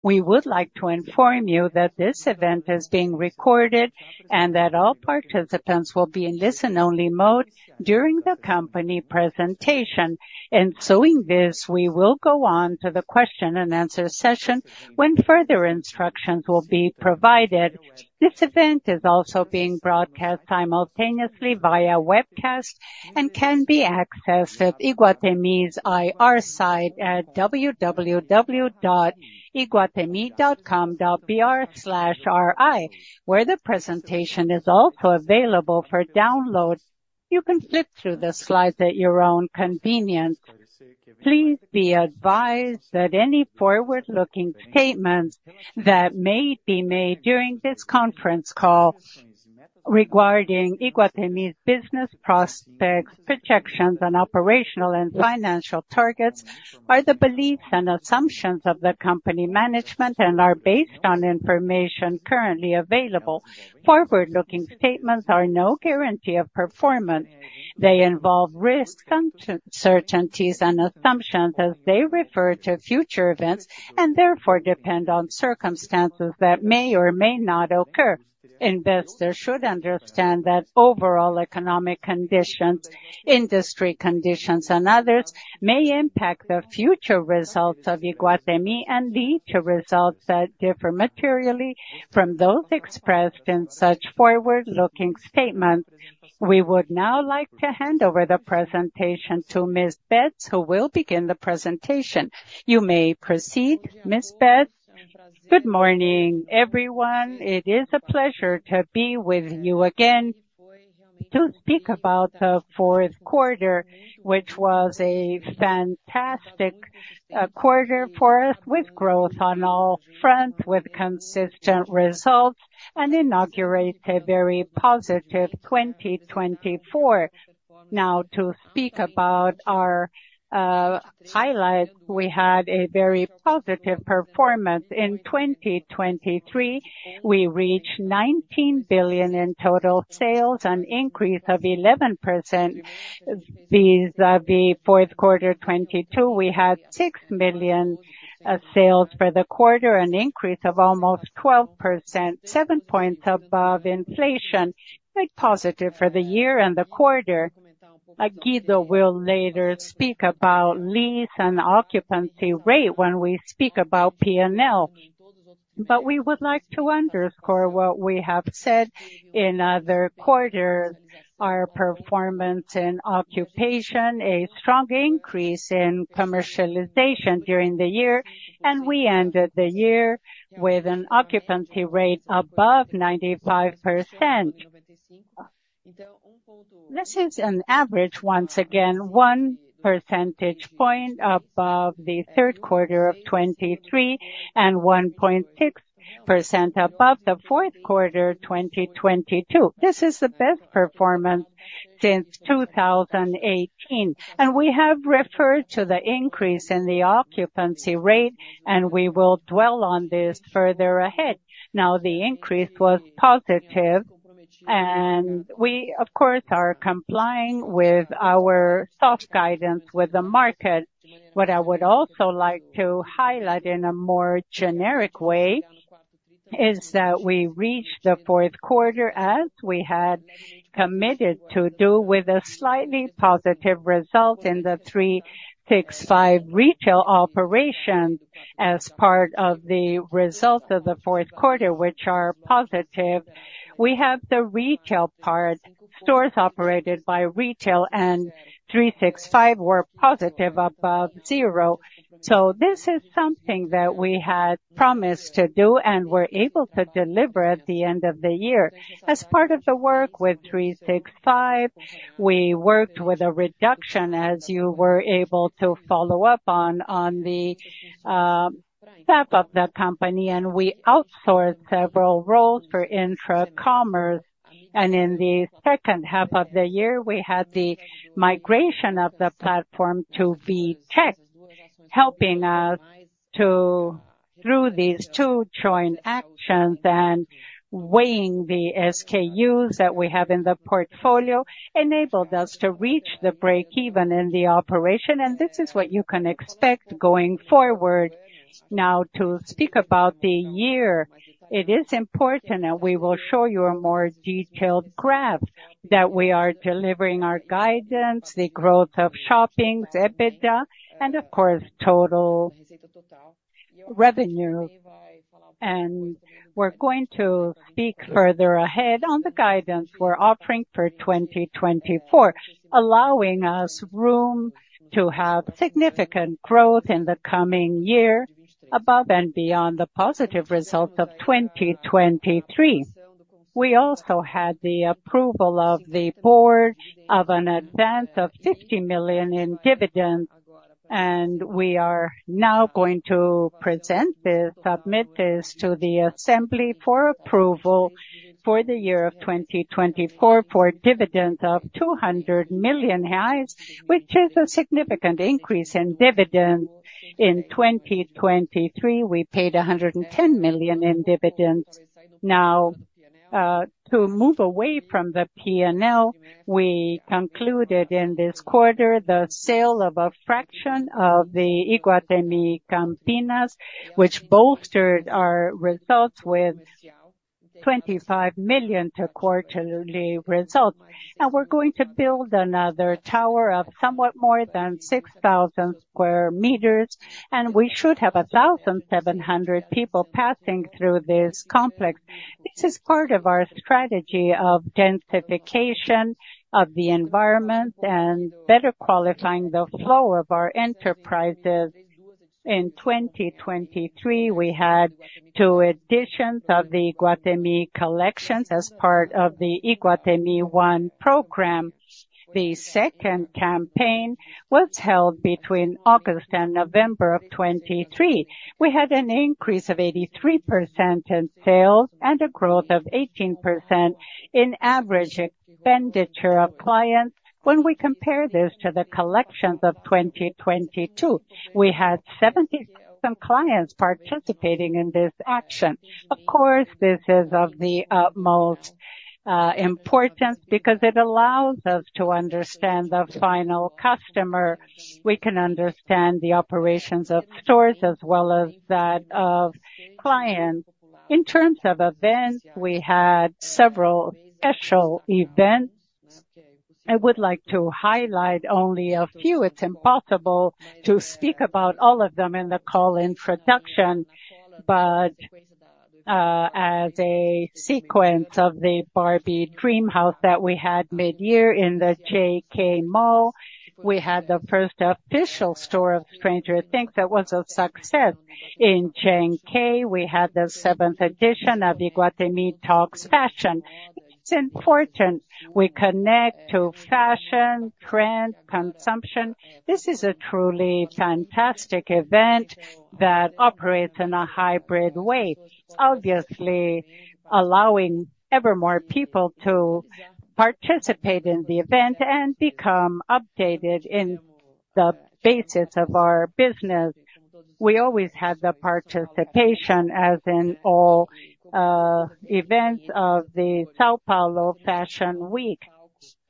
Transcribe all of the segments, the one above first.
We would like to inform you that this event is being recorded and that all participants will be in listen-only mode during the company presentation. In doing this, we will go on to the question-and-answer session when further instructions will be provided. This event is also being broadcast simultaneously via webcast and can be accessed at Iguatemi's IR site at www.iguatemi.com.br/ri, where the presentation is also available for download. You can flip through the slides at your own convenience. Please be advised that any forward-looking statements that may be made during this conference call regarding Iguatemi's business prospects, projections, and operational and financial targets are the beliefs and assumptions of the company management and are based on information currently available. Forward-looking statements are no guarantee of performance. They involve risks, uncertainties, and assumptions as they refer to future events and therefore depend on circumstances that may or may not occur. Investors should understand that overall economic conditions, industry conditions, and others may impact the future results of Iguatemi and lead to results that differ materially from those expressed in such forward-looking statements. We would now like to hand over the presentation to Ms. Betts, who will begin the presentation. You may proceed, Ms. Betts. Good morning, everyone. It is a pleasure to be with you again to speak about the fourth quarter, which was a fantastic quarter for us with growth on all fronts, with consistent results, and inaugurate a very positive 2024. Now, to speak about our highlights, we had a very positive performance in 2023. We reached 19 billion in total sales, an increase of 11% vis-à-vis fourth quarter 2022. We had 6 million sales for the quarter, an increase of almost 12%, seven points above inflation. Quite positive for the year and the quarter. Guido will later speak about lease and occupancy rate when we speak about P&L. But we would like to underscore what we have said in other quarters: our performance in occupation, a strong increase in commercialization during the year, and we ended the year with an occupancy rate above 95%. This is an average, once again, one percentage point above the third quarter of 2023 and 1.6% above the fourth quarter 2022. This is the best performance since 2018. And we have referred to the increase in the occupancy rate, and we will dwell on this further ahead. Now, the increase was positive, and we, of course, are complying with our soft guidance with the market. What I would also like to highlight in a more generic way is that we reached the fourth quarter as we had committed to do with a slightly positive result in the 365 retail operations as part of the results of the fourth quarter, which are positive. We have the retail part. Stores operated by retail and 365 were positive above zero. So this is something that we had promised to do and were able to deliver at the end of the year. As part of the work with 365, we worked with a reduction, as you were able to follow up on, on the half of the company, and we outsourced several roles for intra-commerce. In the second half of the year, we had the migration of the platform to Infracommerce, helping us through these two joint actions and weighing the SKUs that we have in the portfolio enabled us to reach the break-even in the operation. This is what you can expect going forward. Now, to speak about the year, it is important, and we will show you a more detailed graph, that we are delivering our guidance, the growth of shoppings, EBITDA, and of course total revenue. We're going to speak further ahead on the guidance we're offering for 2024, allowing us room to have significant growth in the coming year above and beyond the positive results of 2023. We also had the approval of the board of an advance of $50 million in dividends, and we are now going to present this, submit this to the assembly for approval for the year of 2024 for dividends of $200 million, which is a significant increase in dividends. In 2023, we paid $110 million in dividends. Now, to move away from the P&L, we concluded in this quarter the sale of a fraction of the Iguatemi Campinas, which bolstered our results with $25 million to quarterly results. We're going to build another tower of somewhat more than 6,000sqm, and we should have 1,700 people passing through this complex. This is part of our strategy of densification of the environment and better qualifying the flow of our enterprises. In 2023, we had two additions of the Iguatemi Collections as part of the Iguatemi One program. The second campaign was held between August and November of 2023. We had an increase of 83% in sales and a growth of 18% in average expenditure of clients. When we compare this to the collections of 2022, we had 70,000 clients participating in this action. Of course, this is of the most importance because it allows us to understand the final customer. We can understand the operations of stores as well as that of clients. In terms of events, we had several special events. I would like to highlight only a few. It's impossible to speak about all of them in the call introduction, but as a sequence of the Barbie Dreamhouse that we had midyear in the JK Mall, we had the first official store of Stranger Things that was a success in JK. We had the seventh edition of Iguatemi Talks Fashion. It's important. We connect to fashion, trend, consumption. This is a truly fantastic event that operates in a hybrid way, obviously allowing ever more people to participate in the event and become updated in the basics of our business. We always had the participation, as in all events of the São Paulo Fashion Week.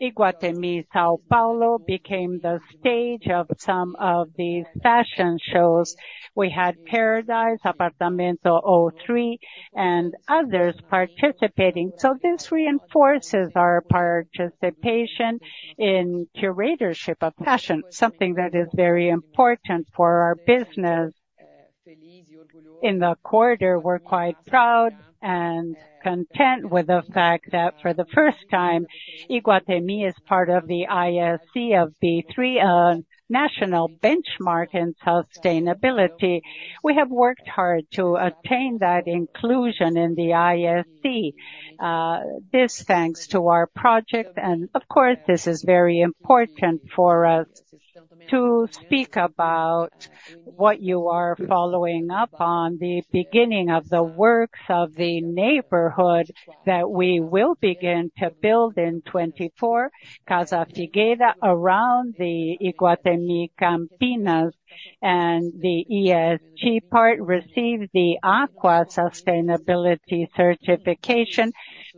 Iguatemi São Paulo became the stage of some of these fashion shows. We had Paradise, Apartamento 03, and others participating. So this reinforces our participation in curatorship of fashion, something that is very important for our business. In the quarter, we're quite proud and content with the fact that for the first time, Iguatemi is part of the ISE B3, a national benchmark in sustainability. We have worked hard to attain that inclusion in the ISE B3. This thanks to our project. Of course, this is very important for us to speak about what you are following up on, the beginning of the works of the neighborhood that we will begin to build in 2024, Casa Figueira, around the Iguatemi Campinas, and the ESG part received the AQUA Sustainability Certification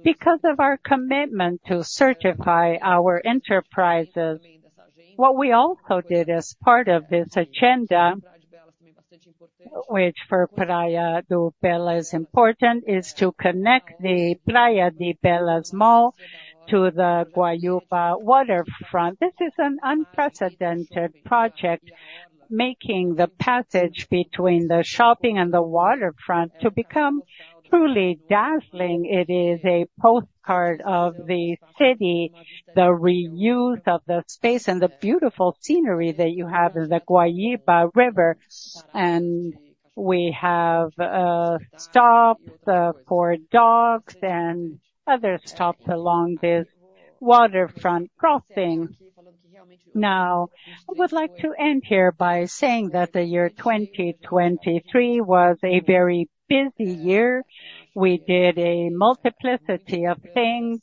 because of our commitment to certify our enterprises. What we also did as part of this agenda, which for Praia de Belas is important, is to connect the Praia de Belas Mall to the Guaíba Waterfront. This is an unprecedented project, making the passage between the shopping and the waterfront to become truly dazzling. It is a postcard of the city, the reuse of the space, and the beautiful scenery that you have in the Guaíba River. We have stops for dogs and other stops along this waterfront crossing. Now, I would like to end here by saying that the year 2023 was a very busy year. We did a multiplicity of things.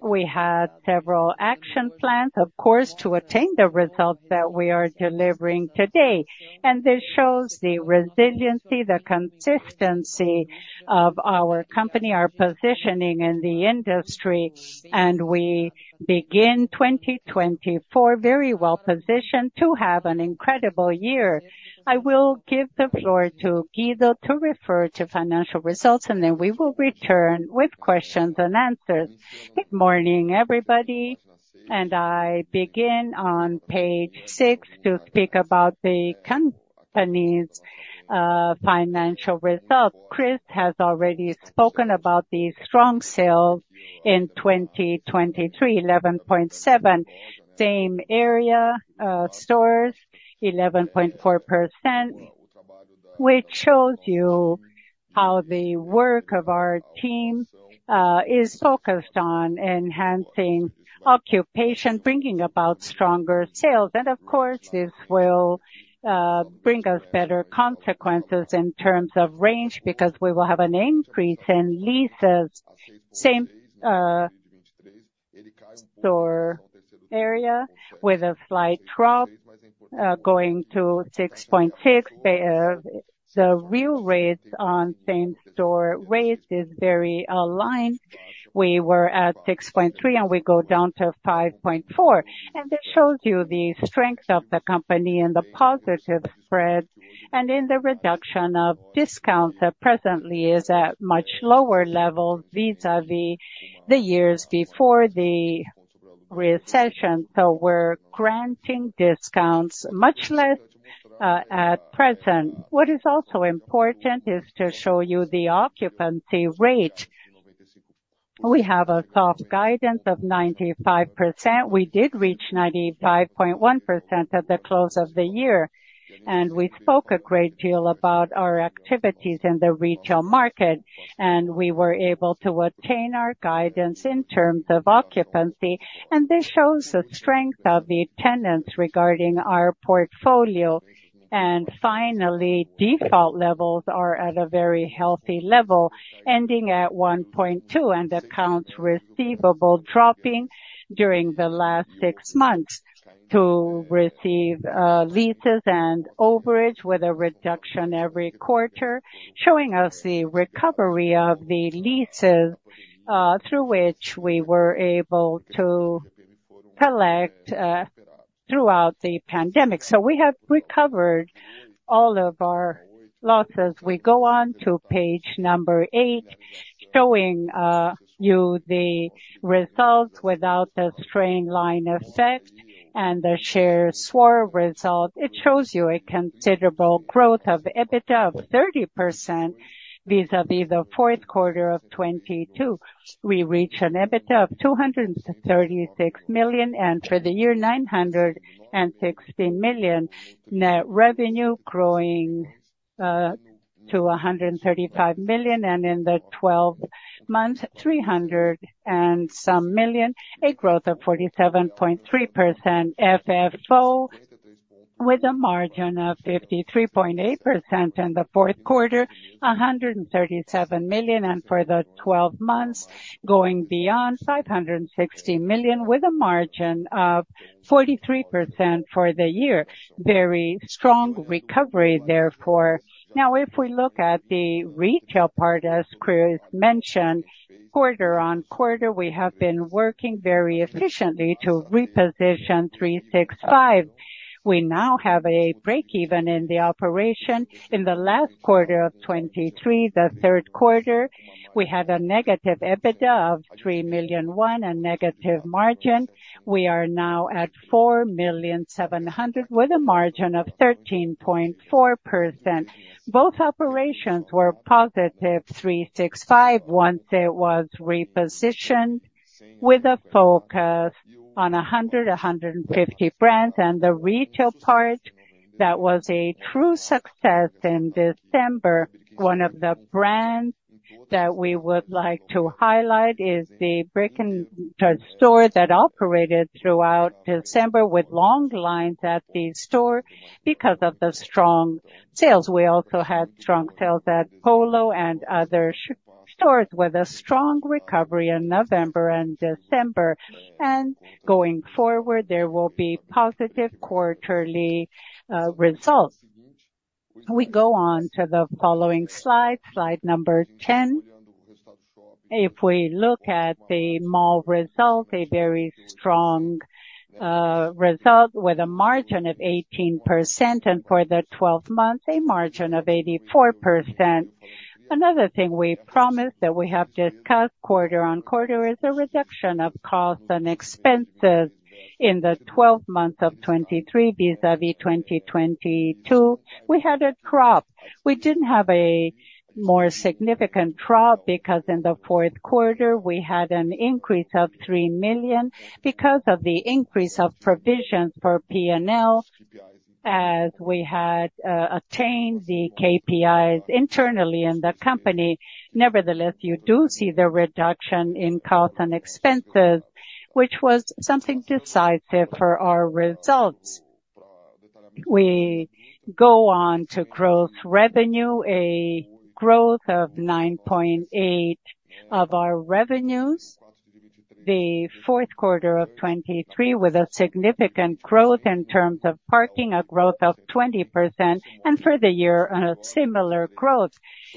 We had several action plans, of course, to attain the results that we are delivering today. This shows the resiliency, the consistency of our company, our positioning in the industry. We begin 2024 very well positioned to have an incredible year. I will give the floor to Guido to refer to financial results, and then we will return with questions and answers. Good morning, everybody. I begin on page 6 to speak about the company's financial results. Chris has already spoken about the strong sales in 2023, 11.7%. Same area, stores, 11.4%, which shows you how the work of our team is focused on enhancing occupation, bringing about stronger sales. Of course, this will bring us better consequences in terms of range because we will have an increase in leases. Same store area with a slight drop, going to 6.6%. The real rates on same store rates are very aligned. We were at 6.3%, and we go down to 5.4%. And this shows you the strength of the company in the positive spread and in the reduction of discounts that presently is at much lower levels vis-à-vis the years before the recession. So we're granting discounts much less at present. What is also important is to show you the occupancy rate. We have a soft guidance of 95%. We did reach 95.1% at the close of the year. And we spoke a great deal about our activities in the retail market, and we were able to attain our guidance in terms of occupancy. This shows the strength of the tenants regarding our portfolio. Finally, default levels are at a very healthy level, ending at 1.2%, and accounts receivable dropping during the last six months to receive leases and overage with a reduction every quarter, showing us the recovery of the leases through which we were able to collect throughout the pandemic. We have recovered all of our losses. We go on to page number 8, showing you the results without the straight-line effect and the share swap result. It shows you a considerable growth of EBITDA of 30% vis-à-vis the fourth quarter of 2022. We reach an EBITDA of 236 million and for the year, 960 million, net revenue growing to 135 million, and in the 12 months, 300 and some million, a growth of 47.3%. FFO with a margin of 53.8% in the fourth quarter, 137 million, and for the 12 months going beyond, 560 million with a margin of 43% for the year. Very strong recovery, therefore. Now, if we look at the retail part, as Chris mentioned, quarter-on-quarter, we have been working very efficiently to reposition 365. We now have a break-even in the operation. In the last quarter of 2023, the third quarter, we had a negative EBITDA of BRL 3.01 million, a negative margin. We are now at 4.7 million with a margin of 13.4%. Both operations were positive 365 once it was repositioned with a focus on 100, 150 brands. And the retail part, that was a true success in December. One of the brands that we would like to highlight is the Birkenstock store that operated throughout December with long lines at the store because of the strong sales. We also had strong sales at Polo and other stores with a strong recovery in November and December. And going forward, there will be positive quarterly results. We go on to the following slide, slide number 10. If we look at the mall result, a very strong result with a margin of 18%, and for the 12 months, a margin of 84%. Another thing we promised that we have discussed quarter-on-quarter is a reduction of costs and expenses in the 12 months of 2023 vis-à-vis 2022. We had a drop. We didn't have a more significant drop because in the fourth quarter, we had an increase of 3 million because of the increase of provisions for P&L as we had attained the KPIs internally in the company. Nevertheless, you do see the reduction in costs and expenses, which was something decisive for our results. We go on to gross revenue, a growth of 9.8% of our revenues the fourth quarter of 2023 with a significant growth in terms of parking, a growth of 20%, and for the year, a similar growth.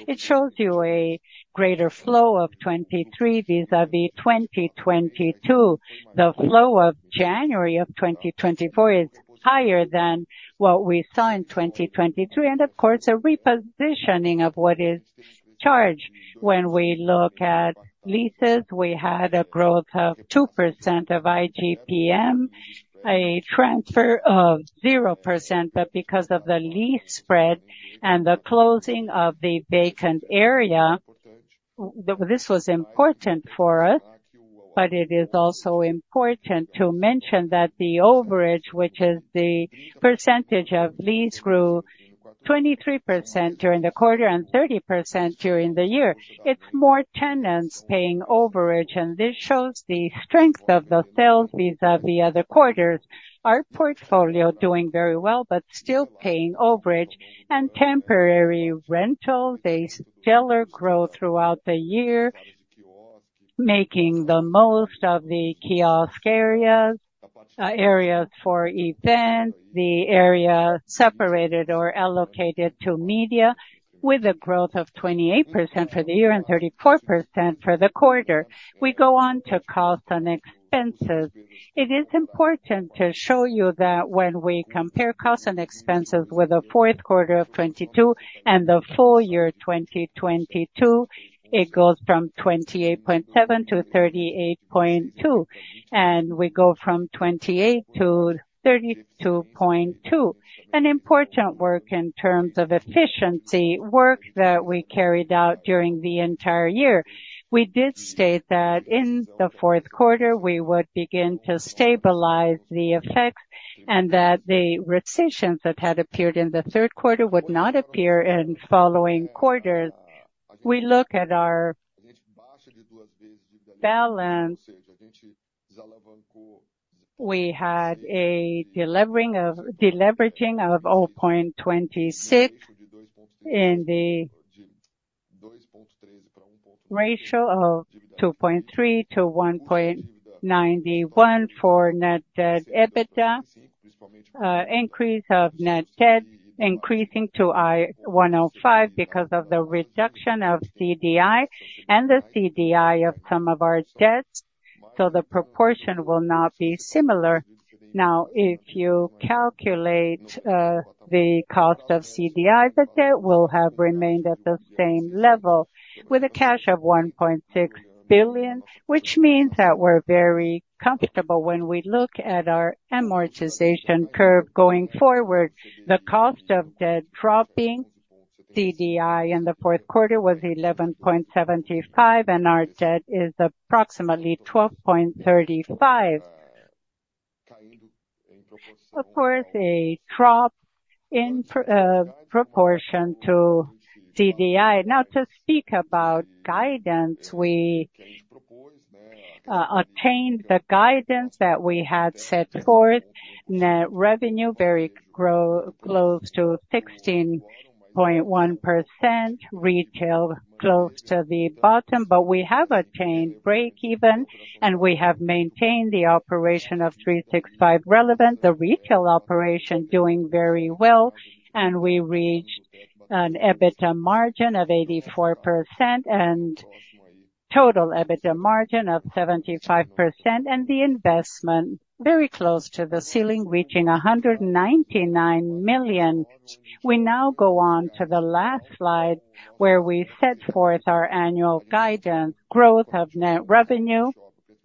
It shows you a greater flow of 2023 vis-à-vis 2022. The flow of January of 2024 is higher than what we saw in 2023. And of course, a repositioning of what is charged. When we look at leases, we had a growth of 2% of IGPM, a transfer of 0%. But because of the leasing spread and the closing of the vacant area, this was important for us. It is also important to mention that the overage, which is the percentage of lease, grew 23% during the quarter and 30% during the year. It's more tenants paying overage. This shows the strength of the sales vis-à-vis other quarters. Our portfolio is doing very well but still paying overage and temporary rentals. A stellar growth throughout the year, making the most of the kiosk areas, areas for events, the area separated or allocated to media with a growth of 28% for the year and 34% for the quarter. We go on to costs and expenses. It is important to show you that when we compare costs and expenses with the fourth quarter of 2022 and the full year 2022, it goes from 28.7% to 38.2%. We go from 28% to 32.2%. An important work in terms of efficiency, work that we carried out during the entire year. We did state that in the fourth quarter, we would begin to stabilize the effects and that the recessions that had appeared in the third quarter would not appear in following quarters. We look at our balance. We had a deleveraging of 0.26% in the ratio of 2.3% to 1.91% for net debt/EBITDA, increase of net debt increasing to 105% because of the reduction of CDI and the CDI of some of our debts. So the proportion will not be similar. Now, if you calculate the cost of CDI, the debt will have remained at the same level with a cash of $1.6 billion, which means that we're very comfortable when we look at our amortization curve going forward. The cost of debt dropping, CDI in the fourth quarter was 11.75%, and our debt is approximately 12.35%. Of course, a drop in proportion to CDI. Now, to speak about guidance, we attained the guidance that we had set forth. Net revenue very close to 16.1%, retail close to the bottom. But we have attained break-even, and we have maintained the operation of 365 relevant, the retail operation doing very well, and we reached an EBITDA margin of 84% and total EBITDA margin of 75%, and the investment very close to the ceiling, reaching 199 million. We now go on to the last slide where we set forth our annual guidance. Growth of net revenue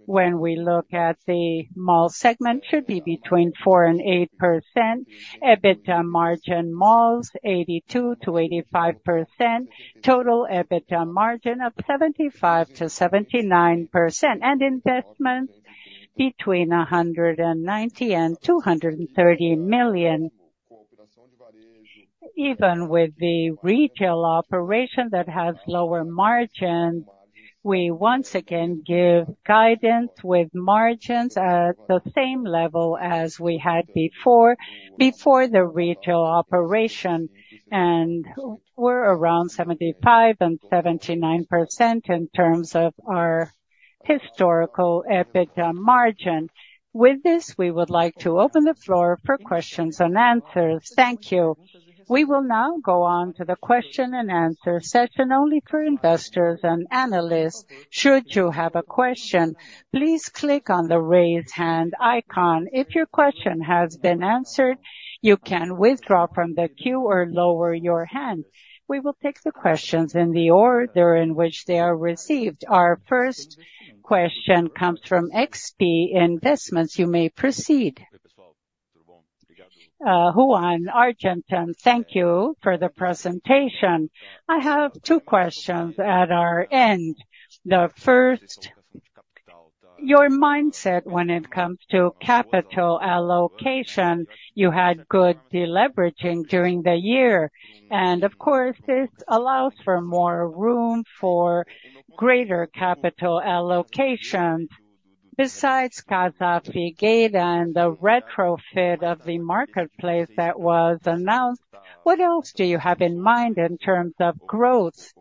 when we look at the mall segment should be between 4% and 8%. EBITDA margin malls 82%-85%, total EBITDA margin of 75%-79%, and investments between 190 million and 230 million. Even with the retail operation that has lower margins, we once again give guidance with margins at the same level as we had before the retail operation. We're around 75% and 79% in terms of our historical EBITDA margin. With this, we would like to open the floor for questions and answers. Thank you. We will now go on to the question and answer session only for investors and analysts. Should you have a question, please click on the raise hand icon. If your question has been answered, you can withdraw from the queue or lower your hand. We will take the questions in the order in which they are received. Our first question comes from XP Investments. You may proceed. Juan Argentin, thank you for the presentation. I have two questions at our end. The first, your mindset when it comes to capital allocation. You had good deleveraging during the year. And of course, this allows for more room for greater capital allocation. Besides Casa Figueira and the retrofit of the Market Place that was announced, what else do you have in mind in terms of growth?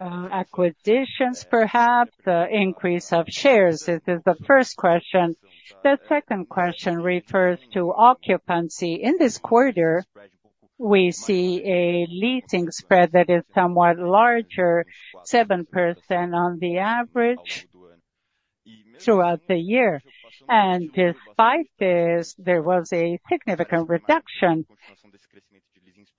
Acquisitions, perhaps? Increase of shares? This is the first question. The second question refers to occupancy. In this quarter, we see a leasing spread that is somewhat larger, 7% on the average throughout the year. And despite this, there was a significant reduction.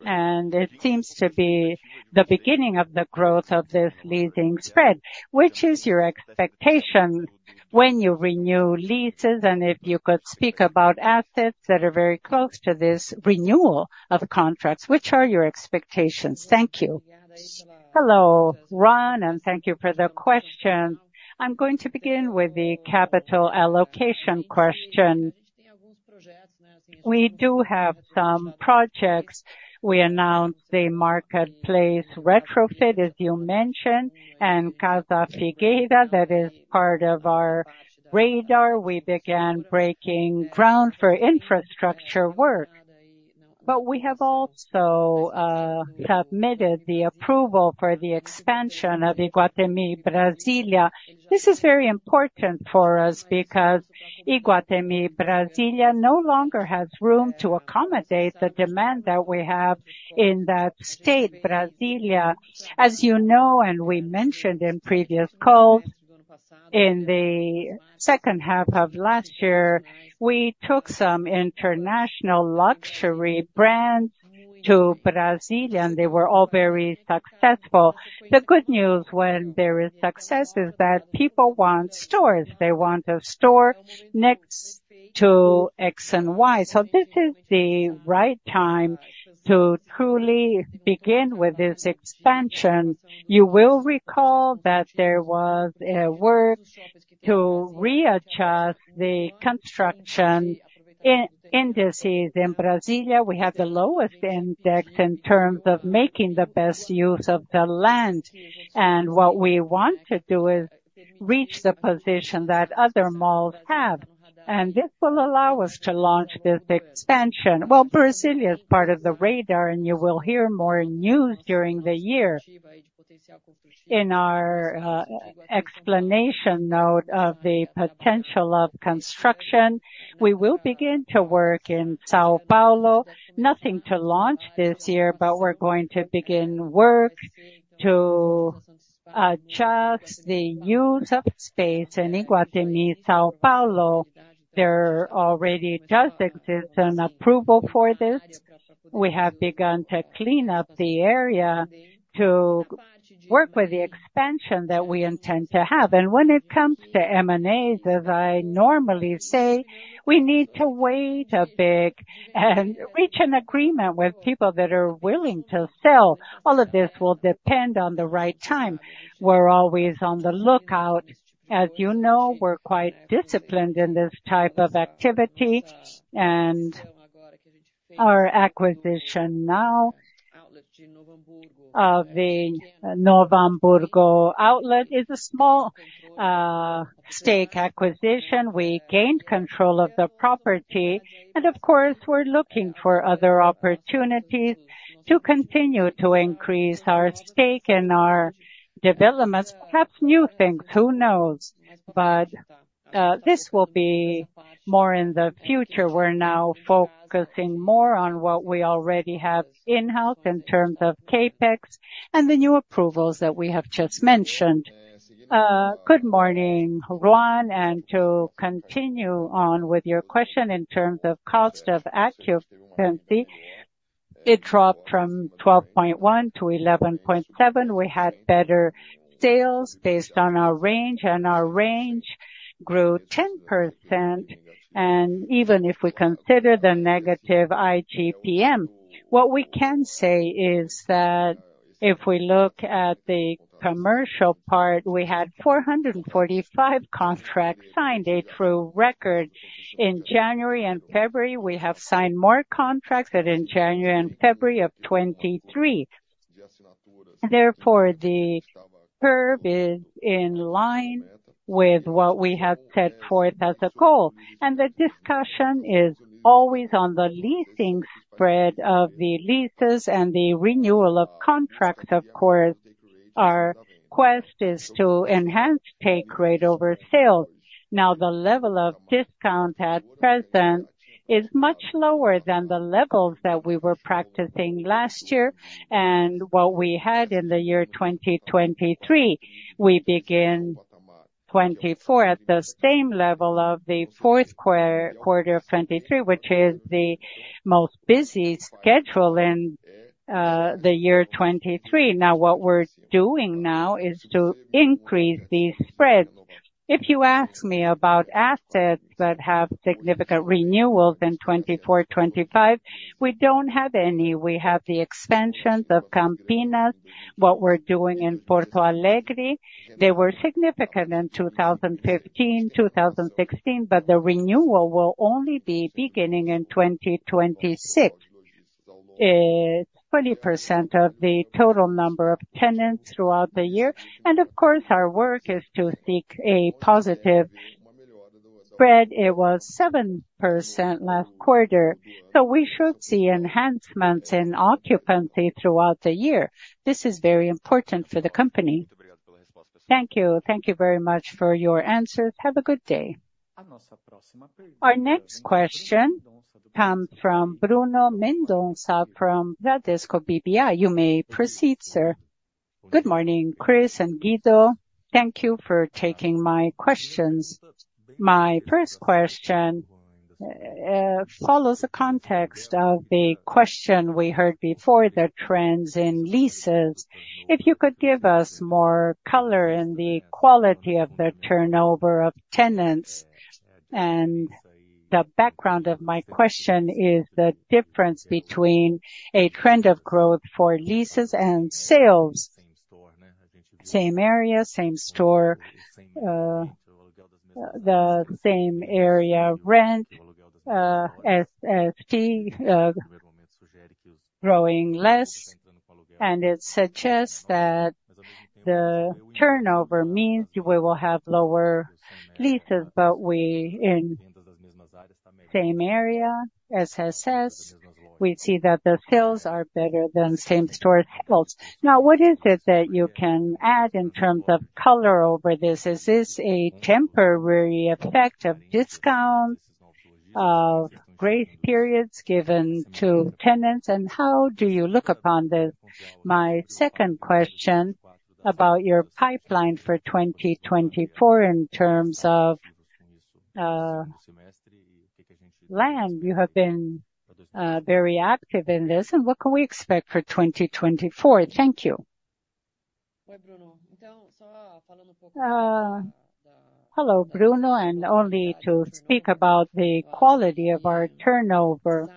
And it seems to be the beginning of the growth of this leasing spread. Which is your expectation when you renew leases? And if you could speak about assets that are very close to this renewal of contracts, which are your expectations? Thank you. Hello, Juan, and thank you for the questions. I'm going to begin with the capital allocation question. We do have some projects. We announced the Market Place retrofit, as you mentioned, and Casa Figueira that is part of our radar. We began breaking ground for infrastructure work. But we have also submitted the approval for the expansion of Iguatemi Brasília. This is very important for us because Iguatemi Brasília no longer has room to accommodate the demand that we have in that state, Brasília. As you know, and we mentioned in previous calls, in the second half of last year, we took some international luxury brands to Brasília, and they were all very successful. The good news when there is success is that people want stores. They want a store next to X and Y. So this is the right time to truly begin with this expansion. You will recall that there was work to readjust the construction indices in Brasília. We have the lowest index in terms of making the best use of the land. What we want to do is reach the position that other malls have. This will allow us to launch this expansion. Well, Brasília is part of the radar, and you will hear more news during the year. In our explanation note of the potential of construction, we will begin to work in São Paulo. Nothing to launch this year, but we're going to begin work to adjust the use of space in Iguatemi São Paulo. There already does exist an approval for this. We have begun to clean up the area to work with the expansion that we intend to have. When it comes to M&As, as I normally say, we need to wait a bit and reach an agreement with people that are willing to sell. All of this will depend on the right time. We're always on the lookout. As you know, we're quite disciplined in this type of activity. Our acquisition now of the Novo Hamburgo outlet is a small stake acquisition. We gained control of the property. Of course, we're looking for other opportunities to continue to increase our stake in our developments, perhaps new things. Who knows? But this will be more in the future. We're now focusing more on what we already have in-house in terms of CapEx and the new approvals that we have just mentioned. Good morning, Juan. To continue on with your question in terms of cost of occupancy, it dropped from 12.1%-11.7%. We had better sales based on our range, and our range grew 10%. Even if we consider the negative IGPM, what we can say is that if we look at the commercial part, we had 445 contracts signed, a true record. In January and February, we have signed more contracts than in January and February of 2023. Therefore, the curve is in line with what we had set forth as a goal. And the discussion is always on the leasing spread of the leases and the renewal of contracts. Of course, our quest is to enhance take rate over sales. Now, the level of discount at present is much lower than the levels that we were practicing last year and what we had in the year 2023. We begin 2024 at the same level of the fourth quarter of 2023, which is the most busy schedule in the year 2023. Now, what we're doing now is to increase these spreads. If you ask me about assets that have significant renewals in 2024, 2025, we don't have any. We have the expansions of Campinas, what we're doing in Porto Alegre. They were significant in 2015, 2016, but the renewal will only be beginning in 2026. It's 20% of the total number of tenants throughout the year. And of course, our work is to seek a positive spread. It was 7% last quarter. So we should see enhancements in occupancy throughout the year. This is very important for the company. Thank you. Thank you very much for your answers. Have a good day. Our next question comes from Bruno Mendonça from Bradesco BBI. You may proceed, sir. Good morning, Chris and Guido. Thank you for taking my questions. My first question follows the context of the question we heard before, the trends in leases. If you could give us more color on the quality of the turnover of tenants. And the background of my question is the difference between a trend of growth for leases and sales. Same area, same store. The same area. Rent, SSR, growing less. And it suggests that the turnover means we will have lower leases, but we in same area, SSS, we see that the sales are better than same store sales. Now, what is it that you can add in terms of color over this? Is this a temporary effect of discounts, of grace periods given to tenants? And how do you look upon this? My second question about your pipeline for 2024 in terms of land. You have been very active in this. And what can we expect for 2024? Thank you. Hello, Bruno. And only to speak about the quality of our turnover.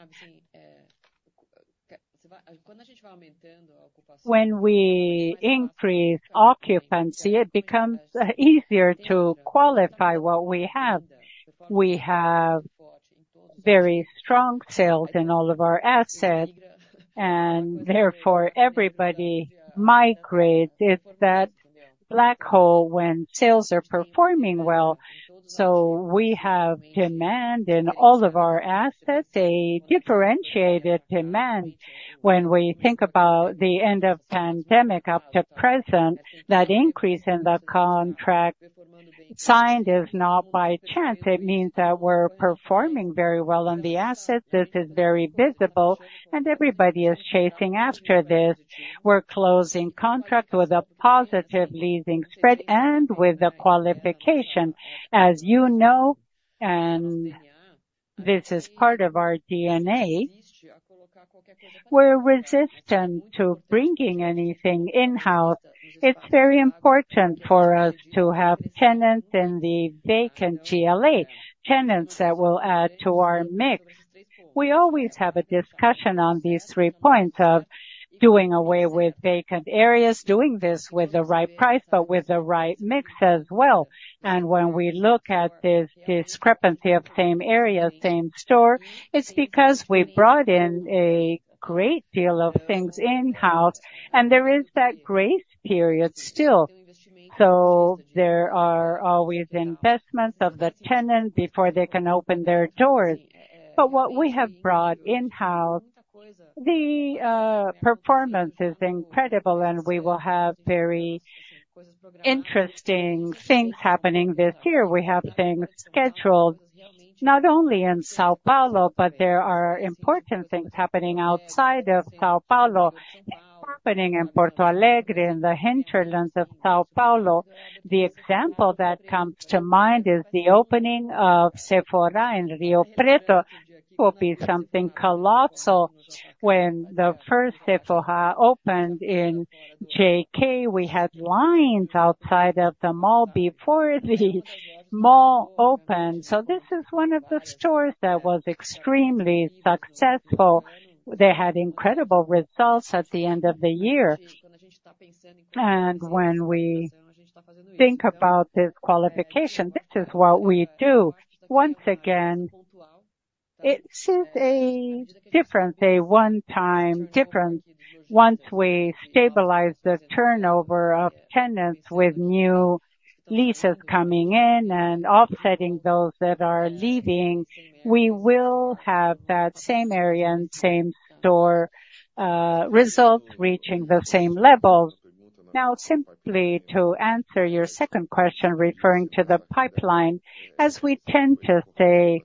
When we increase occupancy, it becomes easier to qualify what we have. We have very strong sales in all of our assets, and therefore everybody migrates. It's that black hole when sales are performing well. So we have demand in all of our assets, a differentiated demand. When we think about the end of the pandemic up to present, that increase in the contract signed is not by chance. It means that we're performing very well on the assets. This is very visible, and everybody is chasing after this. We're closing contracts with a positive leasing spread and with the qualification. As you know, and this is part of our DNA, we're resistant to bringing anything in-house. It's very important for us to have tenants in the vacant GLA, tenants that will add to our mix. We always have a discussion on these three points of doing away with vacant areas, doing this with the right price, but with the right mix as well. When we look at this discrepancy of same area, same store, it's because we brought in a great deal of things in-house, and there is that grace period still. There are always investments of the tenant before they can open their doors. What we have brought in-house, the performance is incredible, and we will have very interesting things happening this year. We have things scheduled not only in São Paulo, but there are important things happening outside of São Paulo, happening in Porto Alegre, in the hinterlands of São Paulo. The example that comes to mind is the opening of Sephora in Rio Preto. It will be something colossal. When the first Sephora opened in JK, we had lines outside of the mall before the mall opened. So this is one of the stores that was extremely successful. They had incredible results at the end of the year. When we think about this qualification, this is what we do. Once again, it's a difference, a one-time difference. Once we stabilize the turnover of tenants with new leases coming in and offsetting those that are leaving, we will have that same area and same store results reaching the same levels. Now, simply to answer your second question referring to the pipeline, as we tend to say,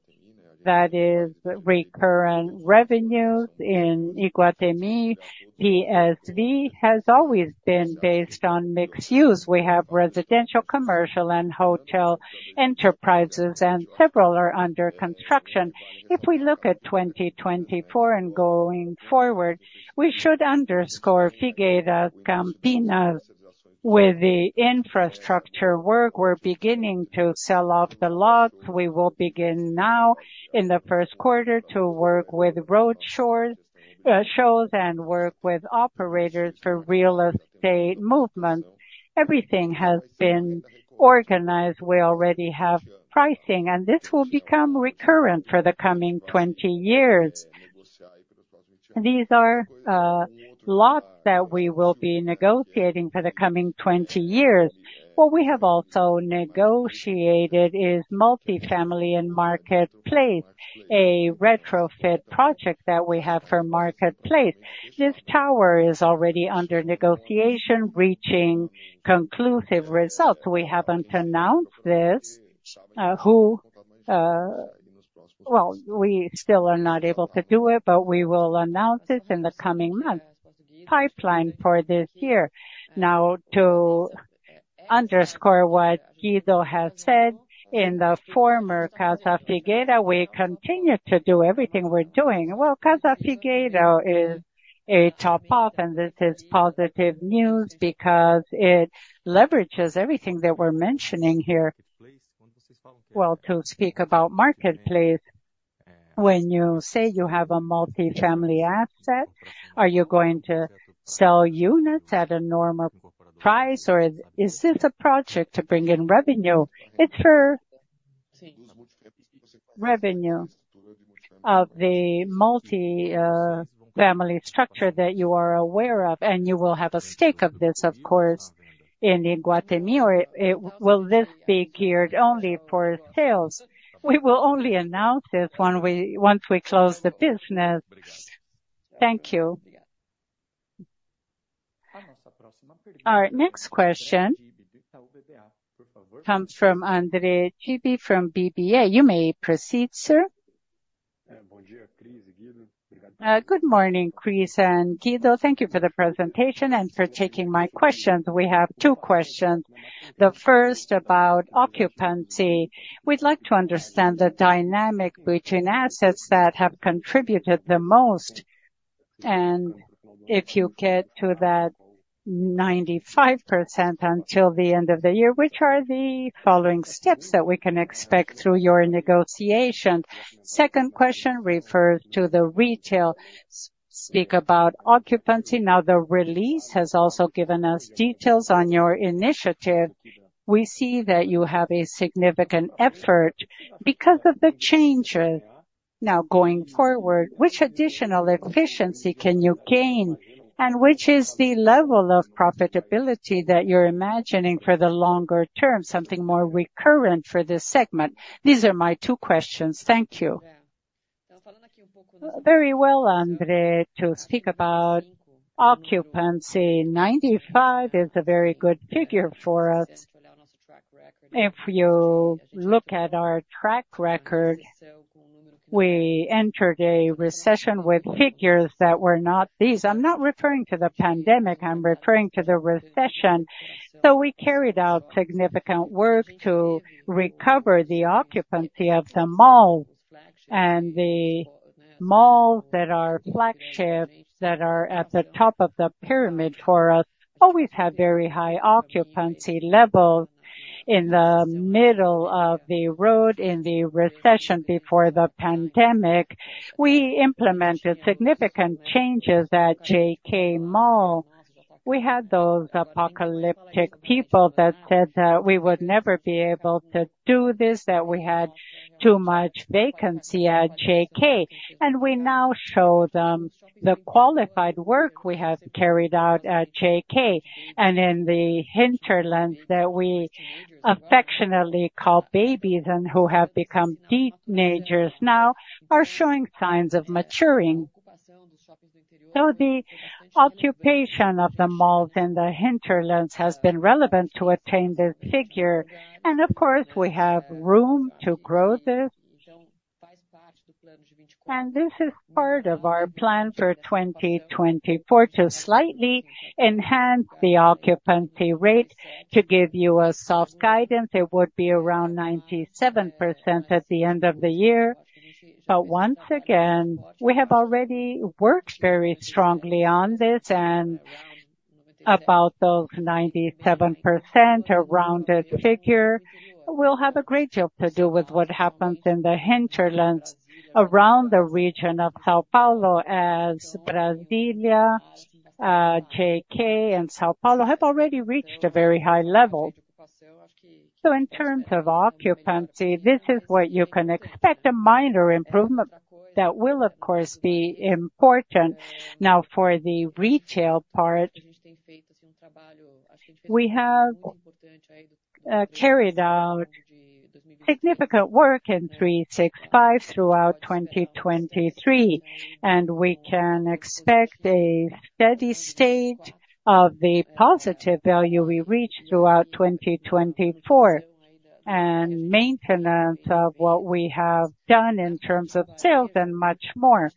that is recurrent revenues in Iguatemi, PSV has always been based on mixed use. We have residential, commercial, and hotel enterprises, and several are under construction. If we look at 2024 and going forward, we should underscore Figueira, Campinas. With the infrastructure work, we're beginning to sell off the lots. We will begin now in the first quarter to work with road shows and work with operators for real estate movements. Everything has been organized. We already have pricing, and this will become recurrent for the coming 20 years. These are lots that we will be negotiating for the coming 20 years. What we have also negotiated is multifamily and Market Place, a retrofit project that we have for Market Place. This tower is already under negotiation, reaching conclusive results. We haven't announced this. Well, we still are not able to do it, but we will announce it in the coming months. Pipeline for this year. Now, to underscore what Guido has said in the former Casa Figueira, we continue to do everything we're doing. Well, Casa Figueira is a top-off, and this is positive news because it leverages everything that we're mentioning here. Well, to speak about marketplace, when you say you have a multifamily asset, are you going to sell units at a normal price, or is this a project to bring in revenue? It's for revenue of the multifamily structure that you are aware of, and you will have a stake of this, of course, in Iguatemi. Or will this be geared only for sales? We will only announce this once we close the business. Thank you. Our next question comes from André Tibi from BBI. You may proceed, sir. Good morning, Chris and Guido. Thank you for the presentation and for taking my questions. We have two questions. The first about occupancy. We'd like to understand the dynamic between assets that have contributed the most. If you get to that 95% until the end of the year, which are the following steps that we can expect through your negotiation? Second question refers to the retail. Speak about occupancy. Now, the release has also given us details on your initiative. We see that you have a significant effort because of the changes. Now, going forward, which additional efficiency can you gain, and which is the level of profitability that you're imagining for the longer term, something more recurrent for this segment? These are my two questions. Thank you. Very well, André. To speak about occupancy, 95% is a very good figure for us. If you look at our track record, we entered a recession with figures that were not these. I'm not referring to the pandemic. I'm referring to the recession. So we carried out significant work to recover the occupancy of the mall. The malls that are flagship, that are at the top of the pyramid for us, always have very high occupancy levels. In the middle of the road, in the recession before the pandemic, we implemented significant changes at JK Mall. We had those apocalyptic people that said that we would never be able to do this, that we had too much vacancy at JK. And we now show them the qualified work we have carried out at JK. And in the hinterlands that we affectionately call babies and who have become teenagers now are showing signs of maturing. So the occupancy of the malls in the hinterlands has been relevant to attain this figure. And of course, we have room to grow this. And this is part of our plan for 2024 to slightly enhance the occupancy rate. To give you a soft guidance, it would be around 97% at the end of the year. But once again, we have already worked very strongly on this. And about those 97%, a rounded figure, will have a great deal to do with what happens in the hinterlands around the region of São Paulo, as Brasília, JK, and São Paulo have already reached a very high level. So in terms of occupancy, this is what you can expect, a minor improvement that will, of course, be important. Now, for the retail part, we have carried out significant work in 365 throughout 2023. And we can expect a steady state of the positive value we reached throughout 2024 and maintenance of what we have done in terms of sales and much more.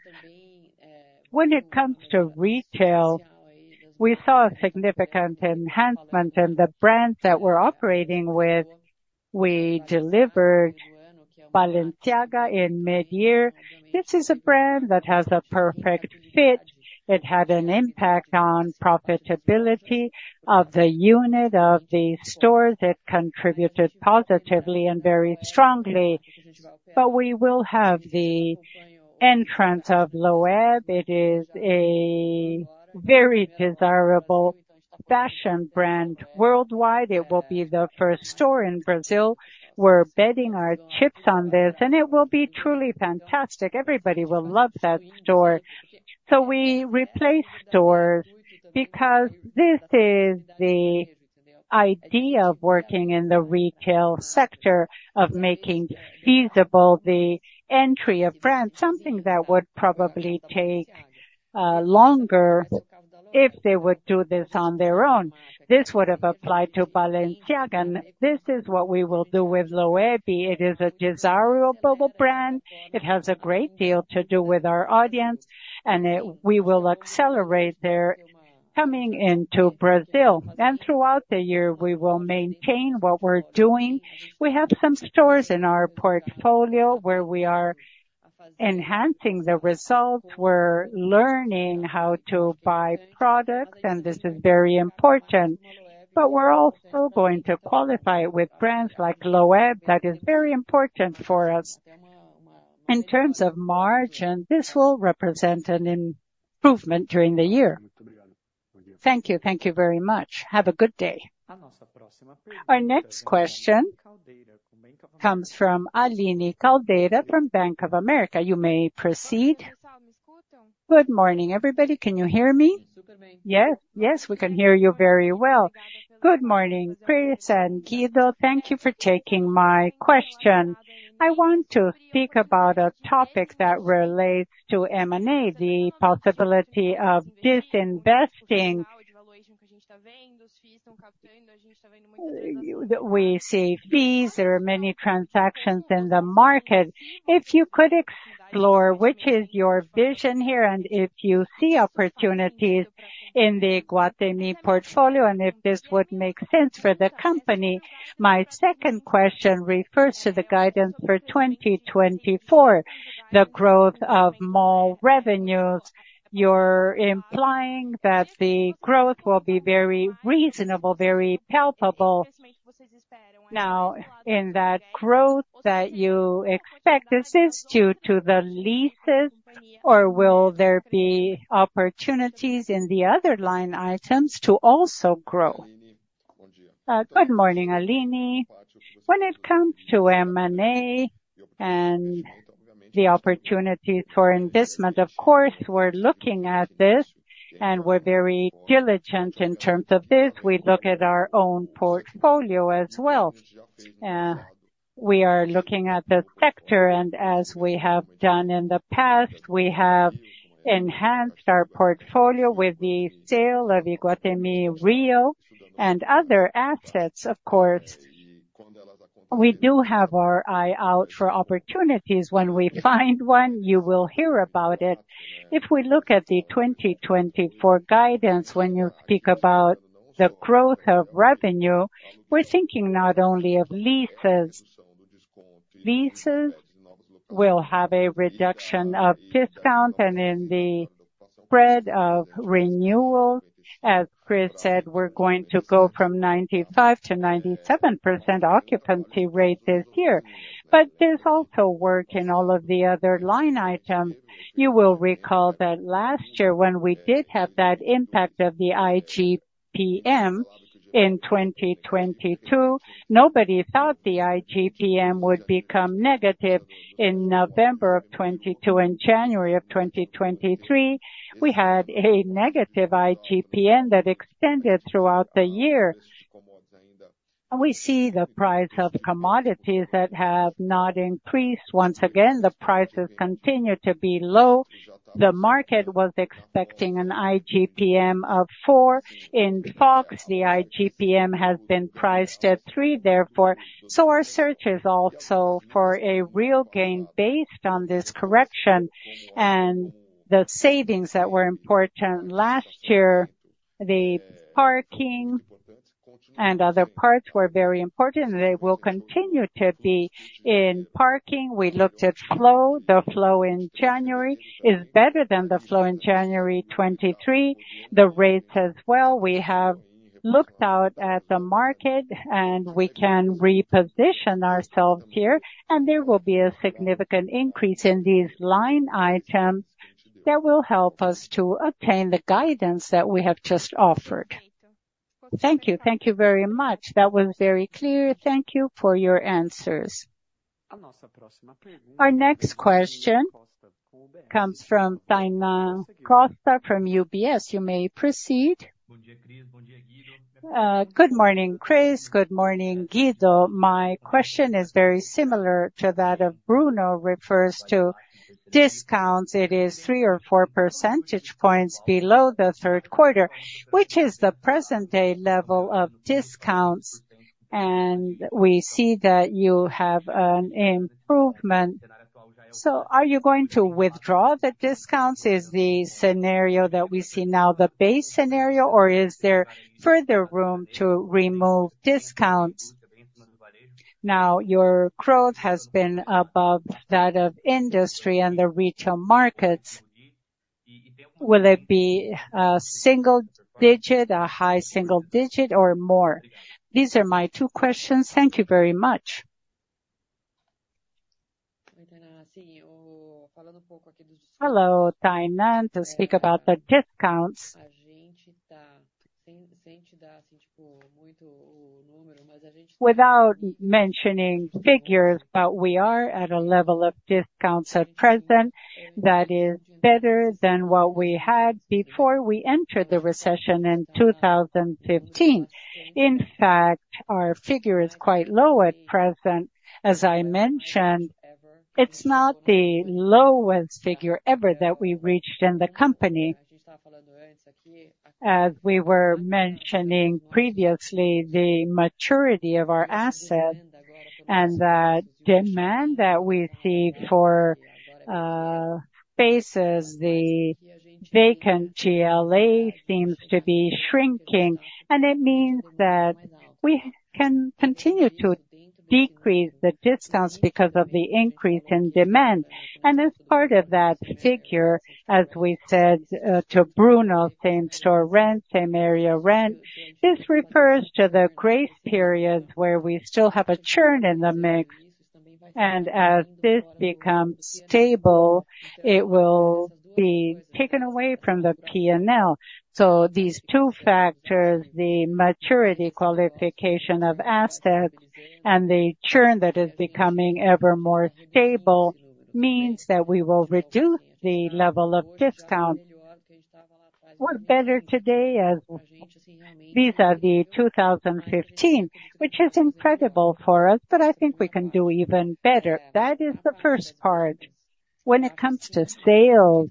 When it comes to retail, we saw a significant enhancement in the brands that we're operating with. We delivered Balenciaga in mid-year. This is a brand that has a perfect fit. It had an impact on profitability of the unit, of the stores. It contributed positively and very strongly. But we will have the entrance of Loewe. It is a very desirable fashion brand worldwide. It will be the first store in Brazil. We're betting our chips on this, and it will be truly fantastic. Everybody will love that store. So we replace stores because this is the idea of working in the retail sector, of making feasible the entry of brands, something that would probably take longer if they would do this on their own. This would have applied to Balenciaga. This is what we will do with Loewe. It is a desirable brand. It has a great deal to do with our audience, and we will accelerate their coming into Brazil. Throughout the year, we will maintain what we're doing. We have some stores in our portfolio where we are enhancing the results. We're learning how to buy products, and this is very important. But we're also going to qualify it with brands like Loewe. That is very important for us in terms of margin. This will represent an improvement during the year. Thank you. Thank you very much. Have a good day. Our next question comes from Aline Caldeira from Bank of America. You may proceed. Good morning, everybody. Can you hear me? Yes. Yes, we can hear you very well. Good morning, Chris and Guido. Thank you for taking my question. I want to speak about a topic that relates to M&A, the possibility of disinvesting. We see fees. There are many transactions in the market. If you could explore which is your vision here and if you see opportunities in the Iguatemi portfolio and if this would make sense for the company. My second question refers to the guidance for 2024, the growth of mall revenues. You're implying that the growth will be very reasonable, very palpable. Now, in that growth that you expect, is this due to the leases, or will there be opportunities in the other line items to also grow? Good morning, Aline. When it comes to M&A and the opportunities for investment, of course, we're looking at this and we're very diligent in terms of this. We look at our own portfolio as well. We are looking at the sector, and as we have done in the past, we have enhanced our portfolio with the sale of Iguatemi Rio and other assets, of course. We do have our eye out for opportunities. When we find one, you will hear about it. If we look at the 2024 guidance, when you speak about the growth of revenue, we're thinking not only of leases. Leases will have a reduction of discount and in the spread of renewal. As Chris said, we're going to go from 95%-97% occupancy rate this year. But there's also work in all of the other line items. You will recall that last year when we did have that impact of the IGPM in 2022, nobody thought the IGPM would become negative. In November of 2022 and January of 2023, we had a negative IGPM that extended throughout the year. And we see the price of commodities that have not increased. Once again, the prices continue to be low. The market was expecting an IGPM of 4%. In Fox, the IGPM has been priced at 3, therefore. So our search is also for a real gain based on this correction and the savings that were important last year. The parking and other parts were very important, and they will continue to be in parking. We looked at flow. The flow in January is better than the flow in January 2023. The rates as well. We have looked out at the market, and we can reposition ourselves here. And there will be a significant increase in these line items that will help us to attain the guidance that we have just offered. Thank you. Thank you very much. That was very clear. Thank you for your answers. Our next question comes from Tainá Costa from UBS. You may proceed. Good morning, Chris. Good morning, Guido. My question is very similar to that of Bruno. Refers to discounts. It is 3 or 4 percentage points below the third quarter. Which is the present-day level of discounts? And we see that you have an improvement. So are you going to withdraw the discounts? Is the scenario that we see now the base scenario, or is there further room to remove discounts? Now, your growth has been above that of industry and the retail markets. Will it be a single digit, a high single digit, or more? These are my two questions. Thank you very much. Hello, Tainá. To speak about the discounts. Without mentioning figures, but we are at a level of discounts at present that is better than what we had before we entered the recession in 2015. In fact, our figure is quite low at present. As I mentioned, it's not the lowest figure ever that we reached in the company. As we were mentioning previously, the maturity of our asset and the demand that we see for spaces, the vacant GLA seems to be shrinking. And it means that we can continue to decrease the discounts because of the increase in demand. And as part of that figure, as we said to Bruno, same store rent, same area rent. This refers to the grace periods where we still have a churn in the mix. And as this becomes stable, it will be taken away from the P&L. So these two factors, the maturity qualification of assets and the churn that is becoming ever more stable, means that we will reduce the level of discounts. We're better today as these are the 2015, which is incredible for us, but I think we can do even better. That is the first part. When it comes to sales,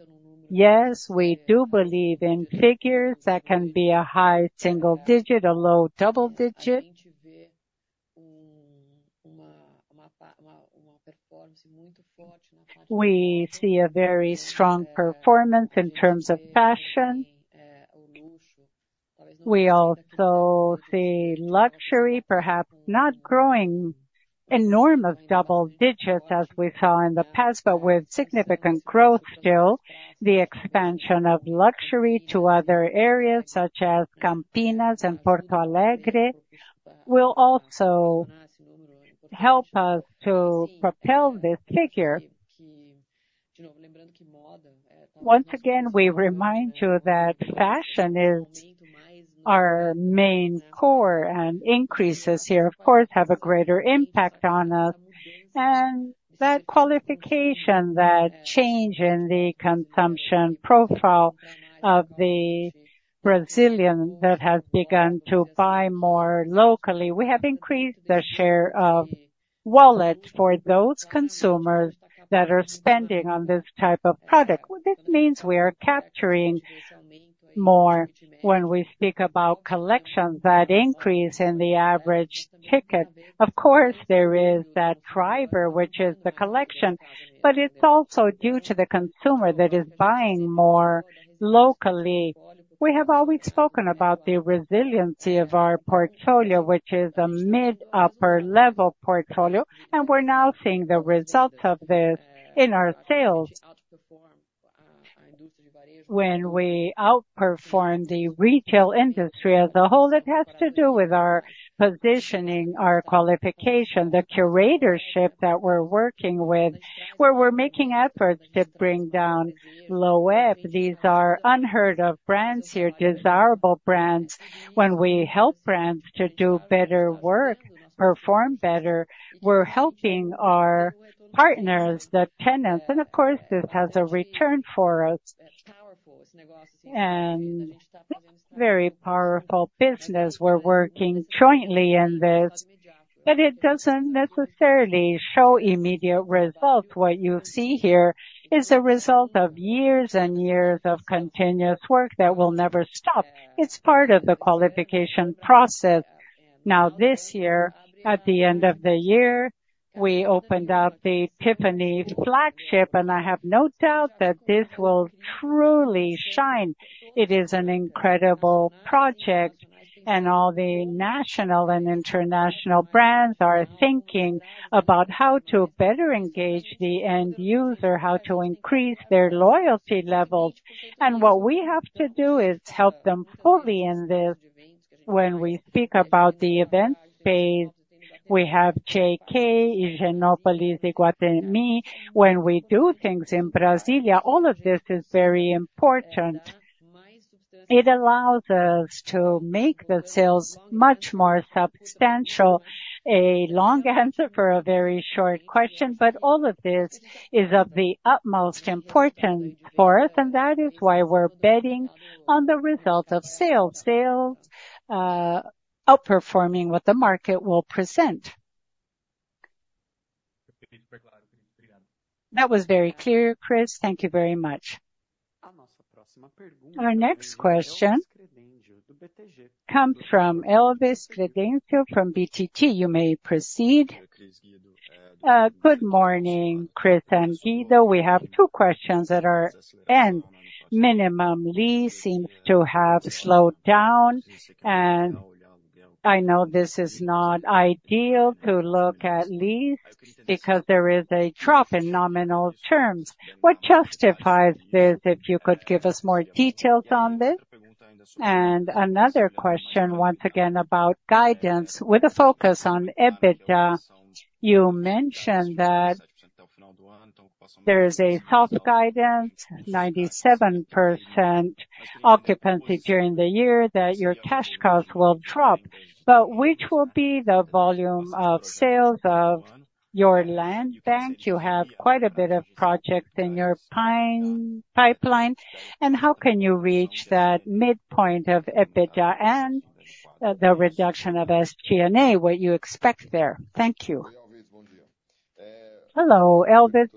yes, we do believe in figures that can be a high single digit, a low double digit. We see a very strong performance in terms of fashion. We also see luxury perhaps not growing enormous double digits as we saw in the past, but with significant growth still, the expansion of luxury to other areas such as Campinas and Porto Alegre will also help us to propel this figure. Once again, we remind you that fashion is our main core, and increases here, of course, have a greater impact on us. And that qualification, that change in the consumption profile of the Brazilian that has begun to buy more locally, we have increased the share of wallets for those consumers that are spending on this type of product. This means we are capturing more. When we speak about collections, that increase in the average ticket, of course, there is that driver, which is the collection. But it's also due to the consumer that is buying more locally. We have always spoken about the resiliency of our portfolio, which is a mid-upper level portfolio. We're now seeing the results of this in our sales. When we outperform the retail industry as a whole, it has to do with our positioning, our qualification, the curatorship that we're working with, where we're making efforts to bring down Loewe. These are unheard-of brands here, desirable brands. When we help brands to do better work, perform better, we're helping our partners, the tenants. And of course, this has a return for us. And very powerful business. We're working jointly in this. But it doesn't necessarily show immediate results. What you see here is a result of years and years of continuous work that will never stop. It's part of the qualification process. Now, this year, at the end of the year, we opened up the Tiffany flagship, and I have no doubt that this will truly shine. It is an incredible project, and all the national and international brands are thinking about how to better engage the end user, how to increase their loyalty levels. And what we have to do is help them fully in this. When we speak about the event space, we have JK, Higienópolis, Iguatemi. When we do things in Brasília, all of this is very important. It allows us to make the sales much more substantial. A long answer for a very short question. But all of this is of the utmost importance for us, and that is why we're betting on the results of sales, sales outperforming what the market will present. That was very clear, Chris. Thank you very much. Our next question comes from Elvis Credencio from BTG. You may proceed. Good morning, Chris and Guido. We have two questions at our end. Minimum lease seems to have slowed down, and I know this is not ideal to look at lease because there is a drop in nominal terms. What justifies this? If you could give us more details on this. And another question, once again, about guidance with a focus on EBITDA. You mentioned that there is a soft guidance, 97% occupancy during the year, that your cash costs will drop. But which will be the volume of sales of your land bank? You have quite a bit of projects in your pipeline. How can you reach that midpoint of EBITDA and the reduction of SG&A? What do you expect there? Thank you. Hello, Elvis.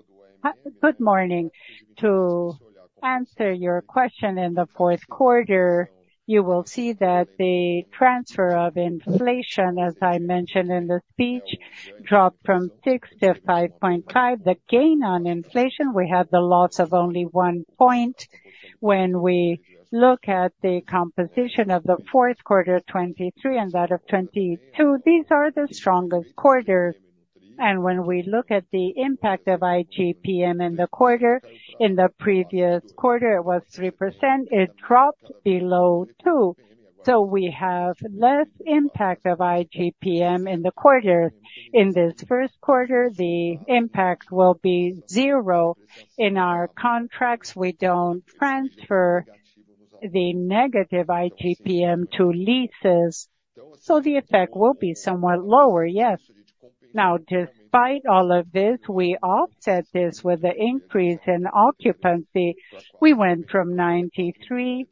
Good morning. To answer your question, in the fourth quarter, you will see that the transfer of inflation, as I mentioned in the speech, dropped from 6 to 5.5. The gain on inflation, we had the loss of only 1 point when we look at the composition of the fourth quarter 2023 and that of 2022. These are the strongest quarters. When we look at the impact of IGPM in the quarter, in the previous quarter, it was 3%. It dropped below 2%. We have less impact of IGPM in the quarters. In this first quarter, the impact will be 0%. In our contracts, we don't transfer the negative IGPM to leases. So the effect will be somewhat lower, yes. Now, despite all of this, we offset this with the increase in occupancy. We went from 93%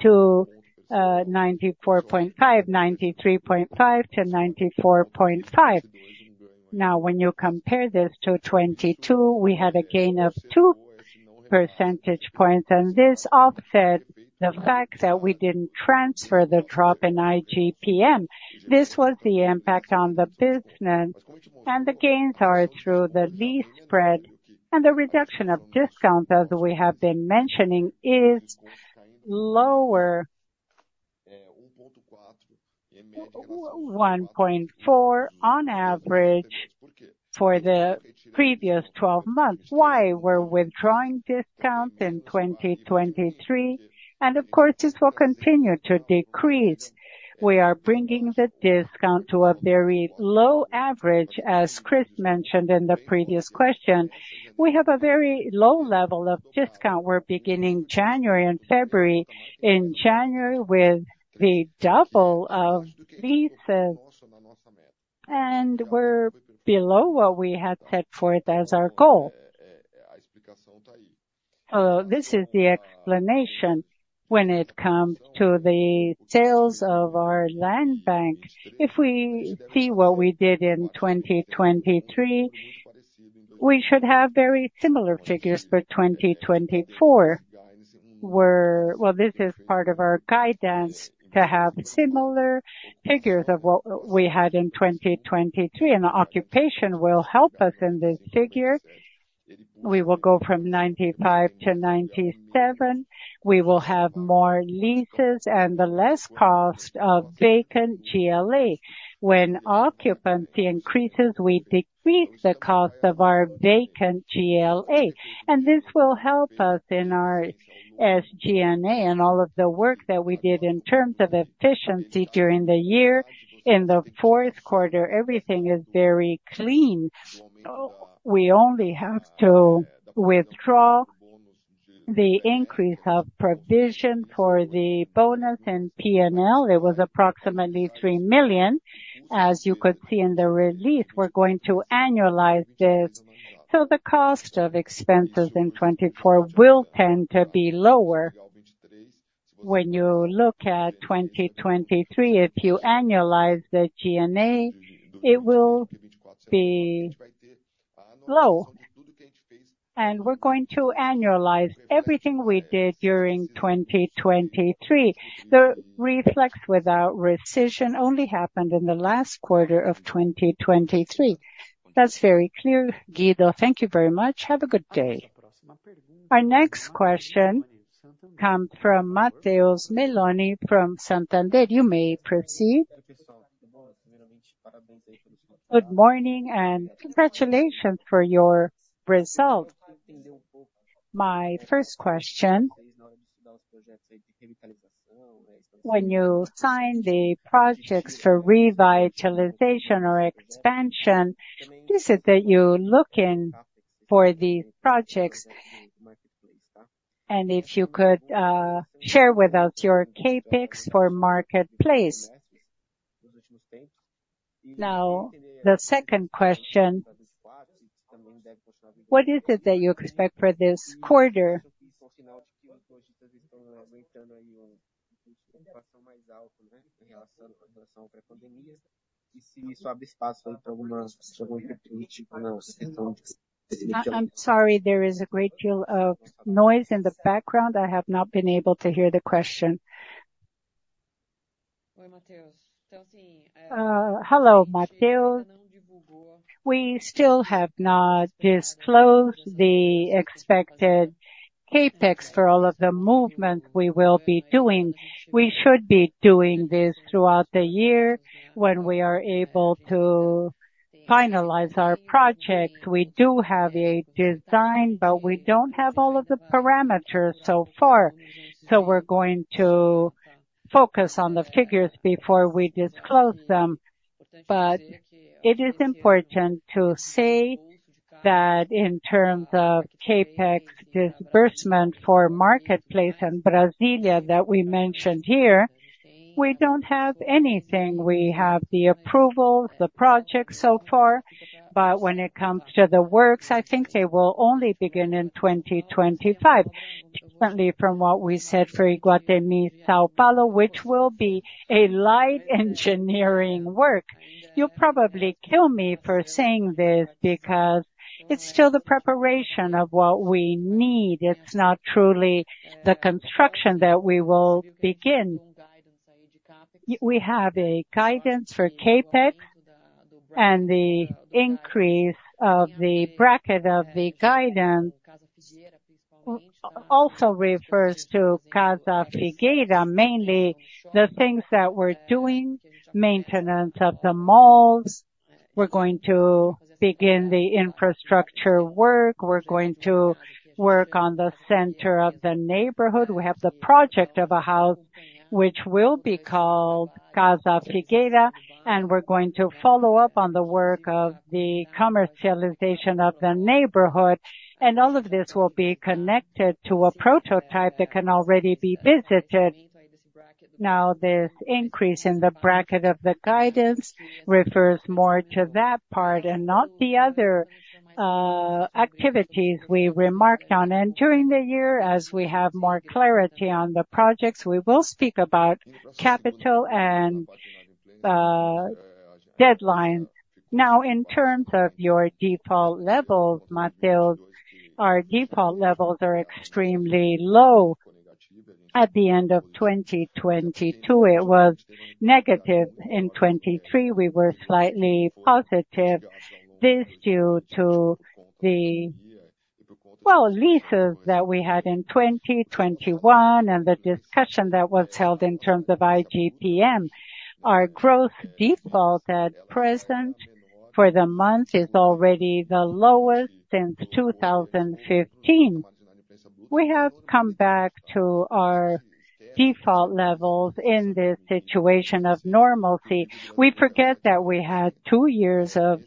to 94.5%, 93.5% to 94.5%. Now, when you compare this to 2022, we had a gain of 2 percentage points, and this offset the fact that we didn't transfer the drop in IGPM. This was the impact on the business, and the gains are through the lease spread. And the reduction of discounts, as we have been mentioning, is lower, 1.4% on average for the previous 12 months. Why? We're withdrawing discounts in 2023, and of course, this will continue to decrease. We are bringing the discount to a very low average, as Chris mentioned in the previous question. We have a very low level of discount. We're beginning January and February. In January, we had the double of leases, and we're below what we had set forth as our goal. Hello. This is the explanation. When it comes to the sales of our land bank, if we see what we did in 2023, we should have very similar figures for 2024. Well, this is part of our guidance to have similar figures of what we had in 2023. Occupation will help us in this figure. We will go from 95% to 97%. We will have more leases and the less cost of vacant GLA. When occupancy increases, we decrease the cost of our vacant GLA. This will help us in our SG&A and all of the work that we did in terms of efficiency during the year. In the fourth quarter, everything is very clean. We only have to withdraw the increase of provision for the bonus and P&L. It was approximately 3 million, as you could see in the release. We're going to annualize this. So the cost of expenses in 2024 will tend to be lower. When you look at 2023, if you annualize the G&A, it will be low. And we're going to annualize everything we did during 2023. The reflex without recession only happened in the last quarter of 2023. That's very clear, Guido. Thank you very much. Have a good day. Our next question comes from Matheus Meloni from Santander. You may proceed. Good morning and congratulations for your result. My first question, when you sign the projects for revitalization or expansion, is it that you look in for these projects? And if you could share with us your CapEx for Market Place. Now, the second question, what is it that you expect for this quarter? I'm sorry. There is a great deal of noise in the background. I have not been able to hear the question. Hello, Mateus. We still have not disclosed the expected CapEx for all of the movement we will be doing. We should be doing this throughout the year when we are able to finalize our projects. We do have a design, but we don't have all of the parameters so far. So we're going to focus on the figures before we disclose them. But it is important to say that in terms of CapEx disbursement for marketplace in Brasília that we mentioned here, we don't have anything. We have the approvals, the projects so far. But when it comes to the works, I think they will only begin in 2025, differently from what we said for Iguatemi, São Paulo, which will be a light engineering work. You'll probably kill me for saying this because it's still the preparation of what we need. It's not truly the construction that we will begin. We have a guidance for CapEx, and the increase of the bracket of the guidance also refers to Casa Figueira, mainly the things that we're doing, maintenance of the malls. We're going to begin the infrastructure work. We're going to work on the center of the neighborhood. We have the project of a house which will be called Casa Figueira, and we're going to follow up on the work of the commercialization of the neighborhood. And all of this will be connected to a prototype that can already be visited. Now, this increase in the bracket of the guidance refers more to that part and not the other activities we remarked on. During the year, as we have more clarity on the projects, we will speak about capital and deadlines. Now, in terms of your default levels, Mateus, our default levels are extremely low. At the end of 2022, it was negative. In 2023, we were slightly positive. This is due to the, well, leases that we had in 2021 and the discussion that was held in terms of IGPM. Our gross default at present for the month is already the lowest since 2015. We have come back to our default levels in this situation of normalcy. We forget that we had two years of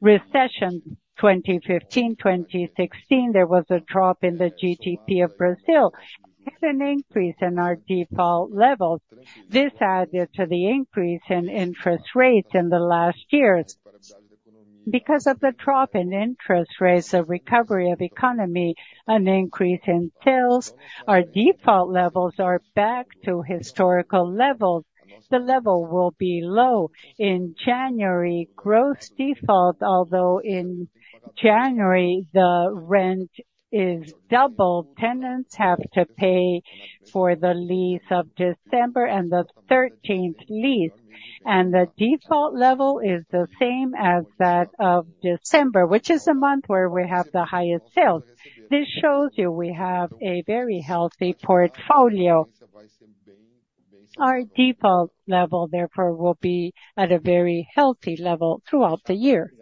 recession, 2015, 2016. There was a drop in the GDP of Brazil. We had an increase in our default levels. This added to the increase in interest rates in the last years. Because of the drop in interest rates, the recovery of the economy, an increase in sales, our default levels are back to historical levels. The level will be low. In January, gross default, although in January the rent is doubled, tenants have to pay for the lease of December and the 13th lease. And the default level is the same as that of December, which is the month where we have the highest sales. This shows you we have a very healthy portfolio. Our default level, therefore, will be at a very healthy level throughout the year.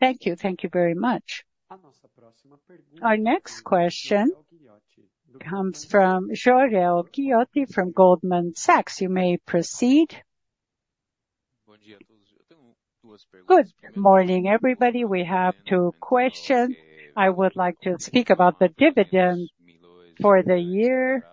Thank you. Thank you very much. Our next question comes from Jorel Guiloty from Goldman Sachs. You may proceed. Good morning, everybody. We have two questions. I would like to speak about the dividend for the year.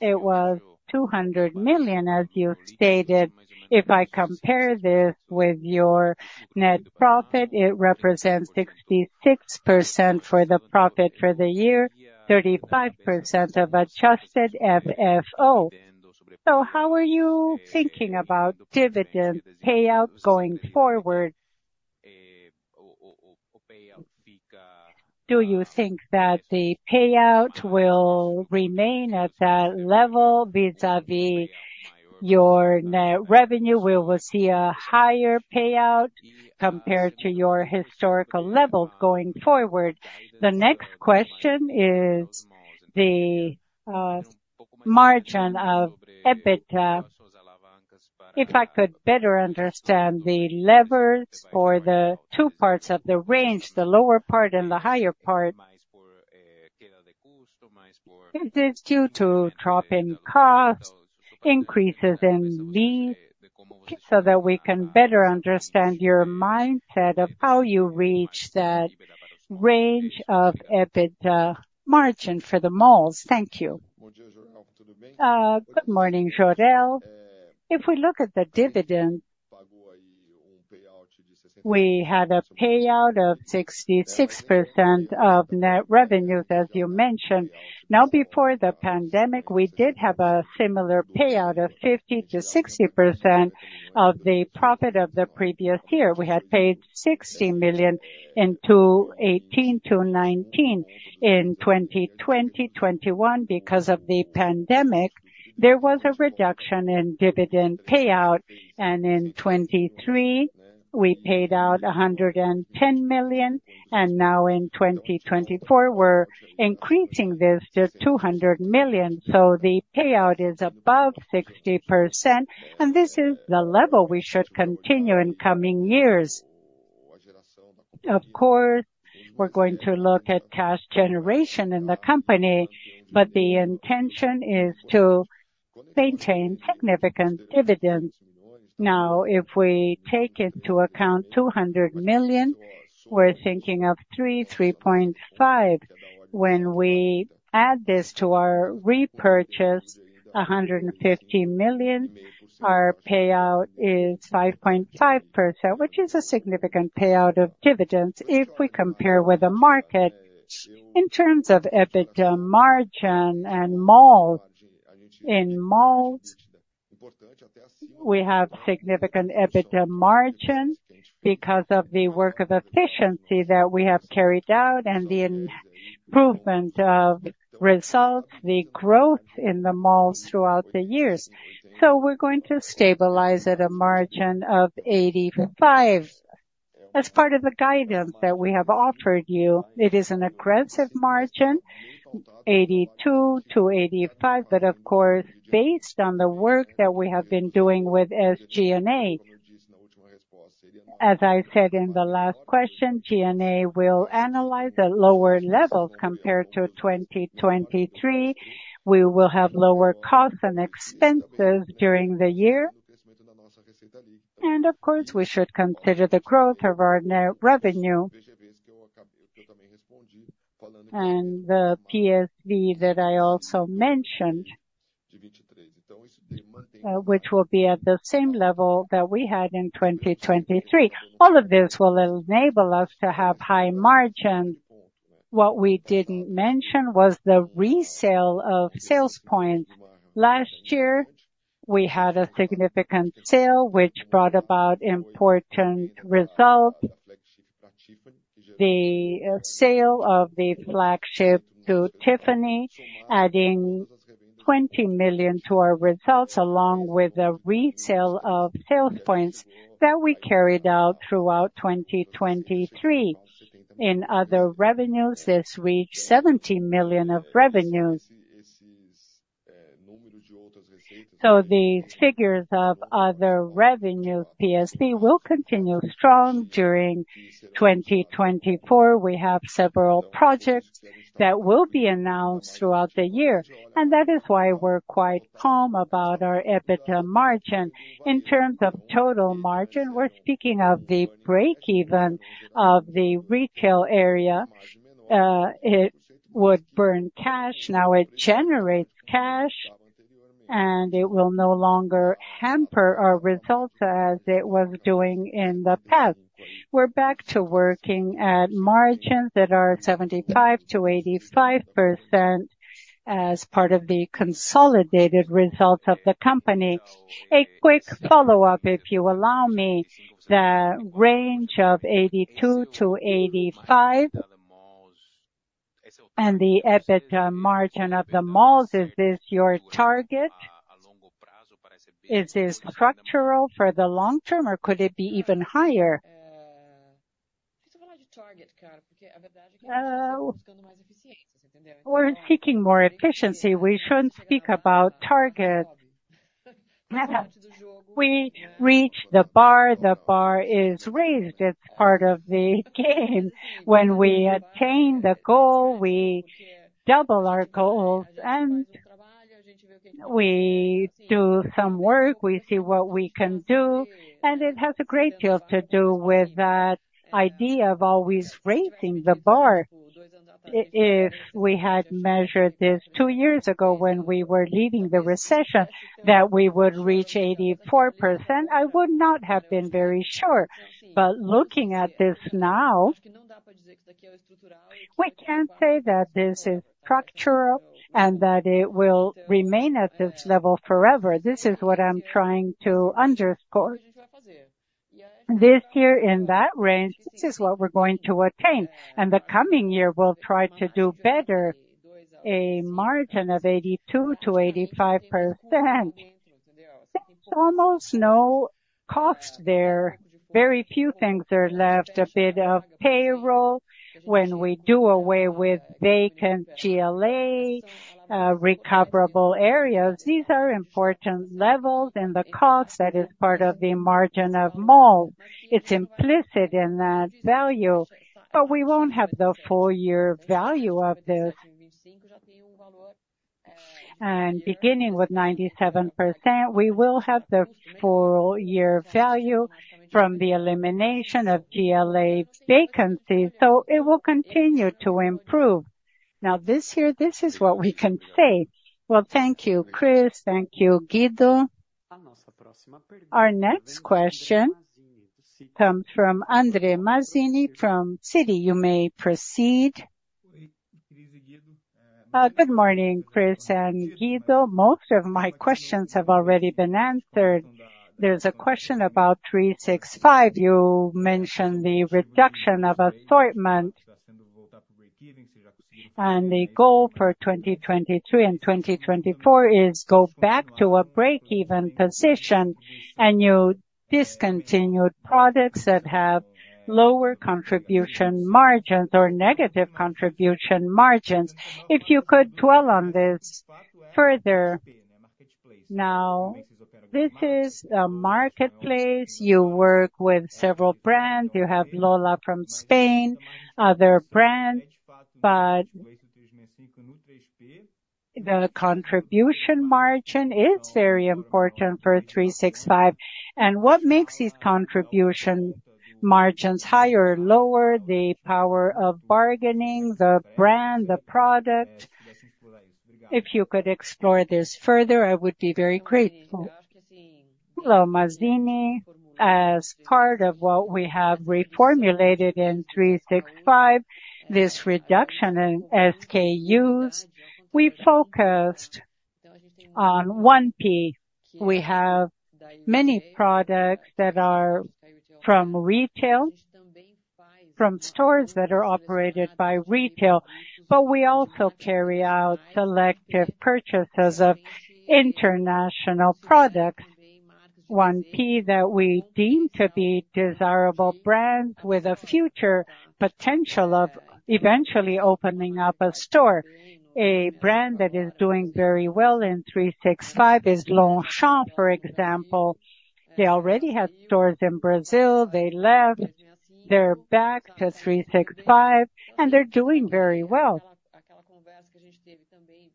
It was 200 million, as you stated. If I compare this with your net profit, it represents 66% for the profit for the year, 35% of adjusted FFO. So how are you thinking about dividend payout going forward? Do you think that the payout will remain at that level vis-à-vis your net revenue? We will see a higher payout compared to your historical levels going forward. The next question is the margin of EBITDA. If I could better understand the levers or the two parts of the range, the lower part and the higher part, is this due to drop in costs, increases in lease, so that we can better understand your mindset of how you reach that range of EBITDA margin for the malls? Thank you. Good morning, Jorel. If we look at the dividend, we had a payout of 66% of net revenues, as you mentioned. Now, before the pandemic, we did have a similar payout of 50%-60% of the profit of the previous year. We had paid 60 million in 2018, 2019. In 2020, 2021, because of the pandemic, there was a reduction in dividend payout. In 2023, we paid out 110 million. Now in 2024, we're increasing this to 200 million. The payout is above 60%, and this is the level we should continue in coming years. Of course, we're going to look at cash generation in the company, but the intention is to maintain significant dividends. Now, if we take into account 200 million, we're thinking of 3%-3.5%. When we add this to our repurchase, 150 million, our payout is 5.5%, which is a significant payout of dividends if we compare with the market. In terms of EBITDA margin and malls, in malls, we have significant EBITDA margin because of the work of efficiency that we have carried out and the improvement of results, the growth in the malls throughout the years. So we're going to stabilize at a margin of 85%. As part of the guidance that we have offered you, it is an aggressive margin, 82%-85%. But of course, based on the work that we have been doing with SG&A, as I said in the last question, SG&A will analyze at lower levels compared to 2023. We will have lower costs and expenses during the year. And of course, we should consider the growth of our net revenue and the PSV that I also mentioned, which will be at the same level that we had in 2023. All of this will enable us to have high margins. What we didn't mention was the resale of sales points. Last year, we had a significant sale, which brought about important results. The sale of the flagship to Tiffany, adding 20 million to our results, along with a resale of sales points that we carried out throughout 2023. In other revenues, this reached 70 million of revenue. So these figures of other revenues, PSV, will continue strong during 2024. We have several projects that will be announced throughout the year. That is why we're quite calm about our EBITDA margin. In terms of total margin, we're speaking of the break-even of the retail area. It would burn cash. Now it generates cash, and it will no longer hamper our results as it was doing in the past. We're back to working at margins that are 75%-85% as part of the consolidated results of the company. A quick follow-up, if you allow me, the range of 82%-85% and the EBITDA margin of the malls, is this your target? Is this structural for the long term, or could it be even higher? We're seeking more efficiency. We shouldn't speak about target. We reach the bar. The bar is raised. It's part of the game. When we attain the goal, we double our goals. And we do some work. We see what we can do. And it has a great deal to do with that idea of always raising the bar. If we had measured this two years ago when we were leaving the recession, that we would reach 84%, I would not have been very sure. But looking at this now, we can't say that this is structural and that it will remain at this level forever. This is what I'm trying to underscore. This year, in that range, this is what we're going to attain. The coming year, we'll try to do better, a margin of 82%-85%. There's almost no cost there. Very few things are left. A bit of payroll when we do away with vacant GLA, recoverable areas. These are important levels. The cost, that is part of the margin of malls. It's implicit in that value. But we won't have the full-year value of this. Beginning with 97%, we will have the full-year value from the elimination of GLA vacancies. So it will continue to improve. Now, this year, this is what we can say. Well, thank you, Chris. Thank you, Guido. Our next question comes from Andre Mazini from Citi. You may proceed. Good morning, Chris and Guido. Most of my questions have already been answered. There's a question about 365. You mentioned the reduction of assortment. The goal for 2023 and 2024 is to go back to a break-even position and you discontinued products that have lower contribution margins or negative contribution margins. If you could dwell on this further. Now, this is a marketplace. You work with several brands. You have Lola from Spain, other brands. The contribution margin is very important for 365. What makes these contribution margins higher or lower? The power of bargaining, the brand, the product. If you could explore this further, I would be very grateful. Hello, Mazini. As part of what we have reformulated in 365, this reduction in SKUs, we focused on 1P. We have many products that are from retail, from stores that are operated by retail. But we also carry out selective purchases of international products, 1P that we deem to be desirable brands with a future potential of eventually opening up a store. A brand that is doing very well in 365 is Longchamp, for example. They already had stores in Brazil. They left. They're back to 365, and they're doing very well.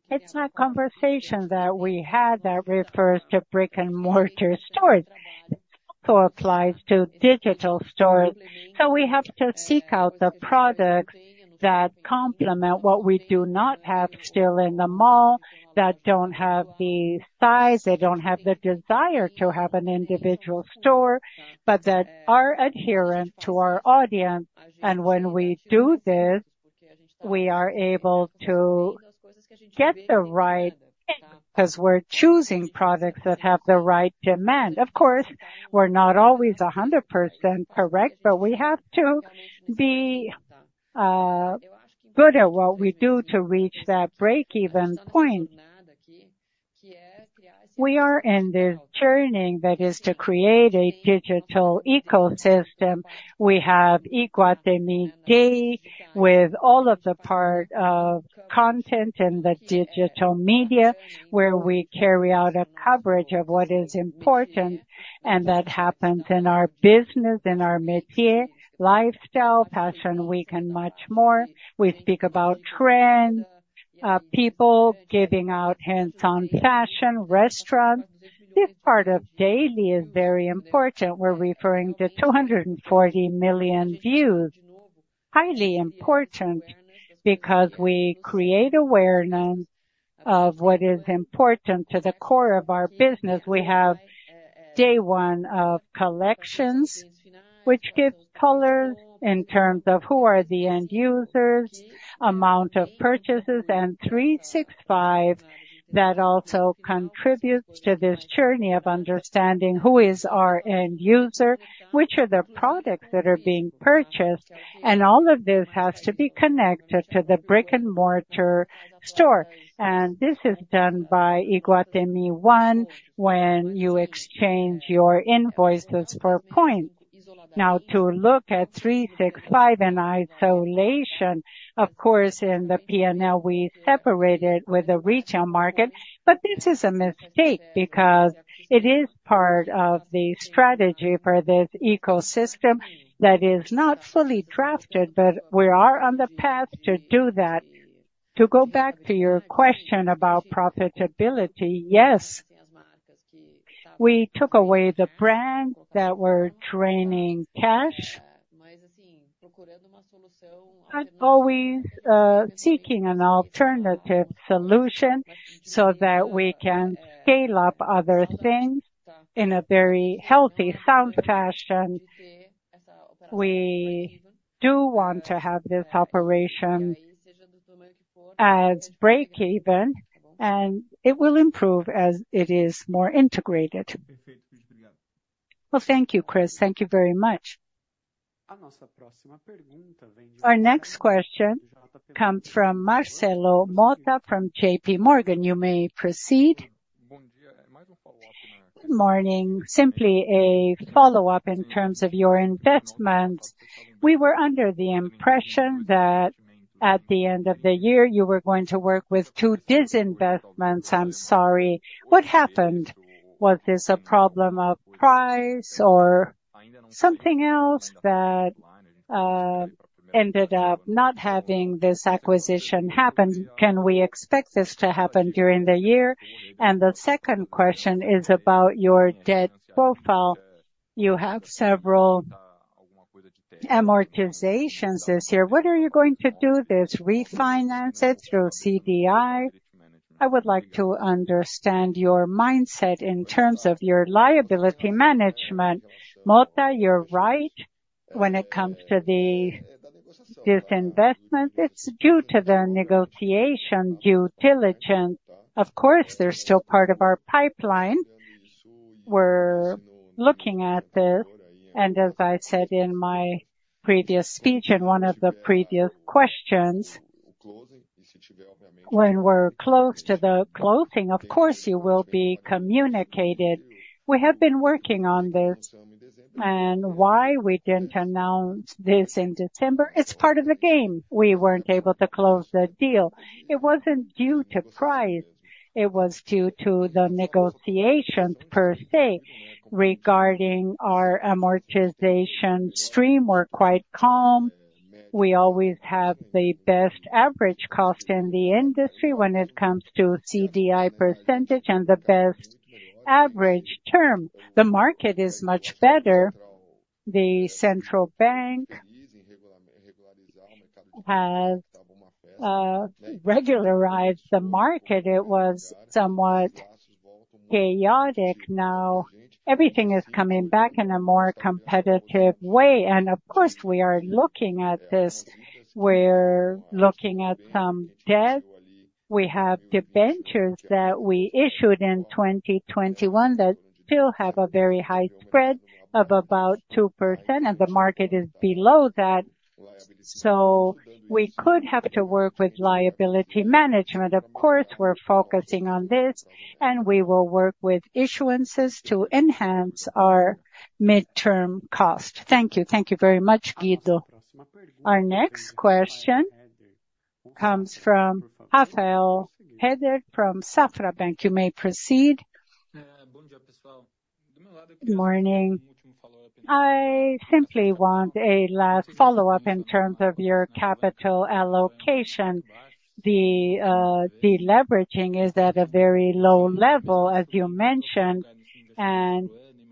It's not a conversation that we had that refers to brick-and-mortar stores. It also applies to digital stores. So we have to seek out the products that complement what we do not have still in the mall, that don't have the size, that don't have the desire to have an individual store, but that are adherent to our audience. And when we do this, we are able to get the right thing because we're choosing products that have the right demand. Of course, we're not always 100% correct, but we have to be good at what we do to reach that break-even point. We are in this journey that is to create a digital ecosystem. We have Iguatemi Daily with all of the part of content in the digital media where we carry out a coverage of what is important. And that happens in our business, in our métier, lifestyle, passion, week, and much more. We speak about trends, people giving out hands-on fashion, restaurants. This part of daily is very important. We're referring to 240 million views. Highly important because we create awareness of what is important to the core of our business. We have day one of collections, which gives colors in terms of who are the end users, amount of purchases, and 365 that also contributes to this journey of understanding who is our end user, which are the products that are being purchased. All of this has to be connected to the brick-and-mortar store. This is done by Iguatemi One when you exchange your invoices for points. Now, to look at 365 in isolation, of course, in the P&L, we separate it with the retail market. This is a mistake because it is part of the strategy for this ecosystem that is not fully drafted, but we are on the path to do that. To go back to your question about profitability, yes, we took away the brands that were draining cash and always seeking an alternative solution so that we can scale up other things in a very healthy, sound fashion. We do want to have this operation as break-even, and it will improve as it is more integrated. Well, thank you, Chris. Thank you very much. Our next question comes from Marcelo Motta from JPMorgan. You may proceed. Good morning. Simply a follow-up in terms of your investments. We were under the impression that at the end of the year, you were going to work with two disinvestments. I'm sorry. What happened? Was this a problem of price or something else that ended up not having this acquisition happen? Can we expect this to happen during the year? And the second question is about your debt profile. You have several amortizations this year. What are you going to do? To refinance it through CDI? I would like to understand your mindset in terms of your liability management. Mota, you're right when it comes to the disinvestments. It's due to the negotiation due diligence. Of course, they're still part of our pipeline. We're looking at this. And as I said in my previous speech and one of the previous questions, when we're close to the closing, of course, you will be communicated. We have been working on this. And why we didn't announce this in December, it's part of the game. We weren't able to close the deal. It wasn't due to price. It was due to the negotiations per se regarding our amortization stream. We're quite calm. We always have the best average cost in the industry when it comes to CDI percentage and the best average term. The market is much better. The central bank has regularized the market. It was somewhat chaotic. Now everything is coming back in a more competitive way. Of course, we are looking at this. We're looking at some debt. We have debentures that we issued in 2021 that still have a very high spread of about 2%, and the market is below that. We could have to work with liability management. Of course, we're focusing on this, and we will work with issuances to enhance our midterm cost. Thank you. Thank you very much, Guido. Our next question comes from Rafael Rehder from Safra Bank. You may proceed. Good morning. I simply want a last follow-up in terms of your capital allocation. The leveraging is at a very low level, as you mentioned. And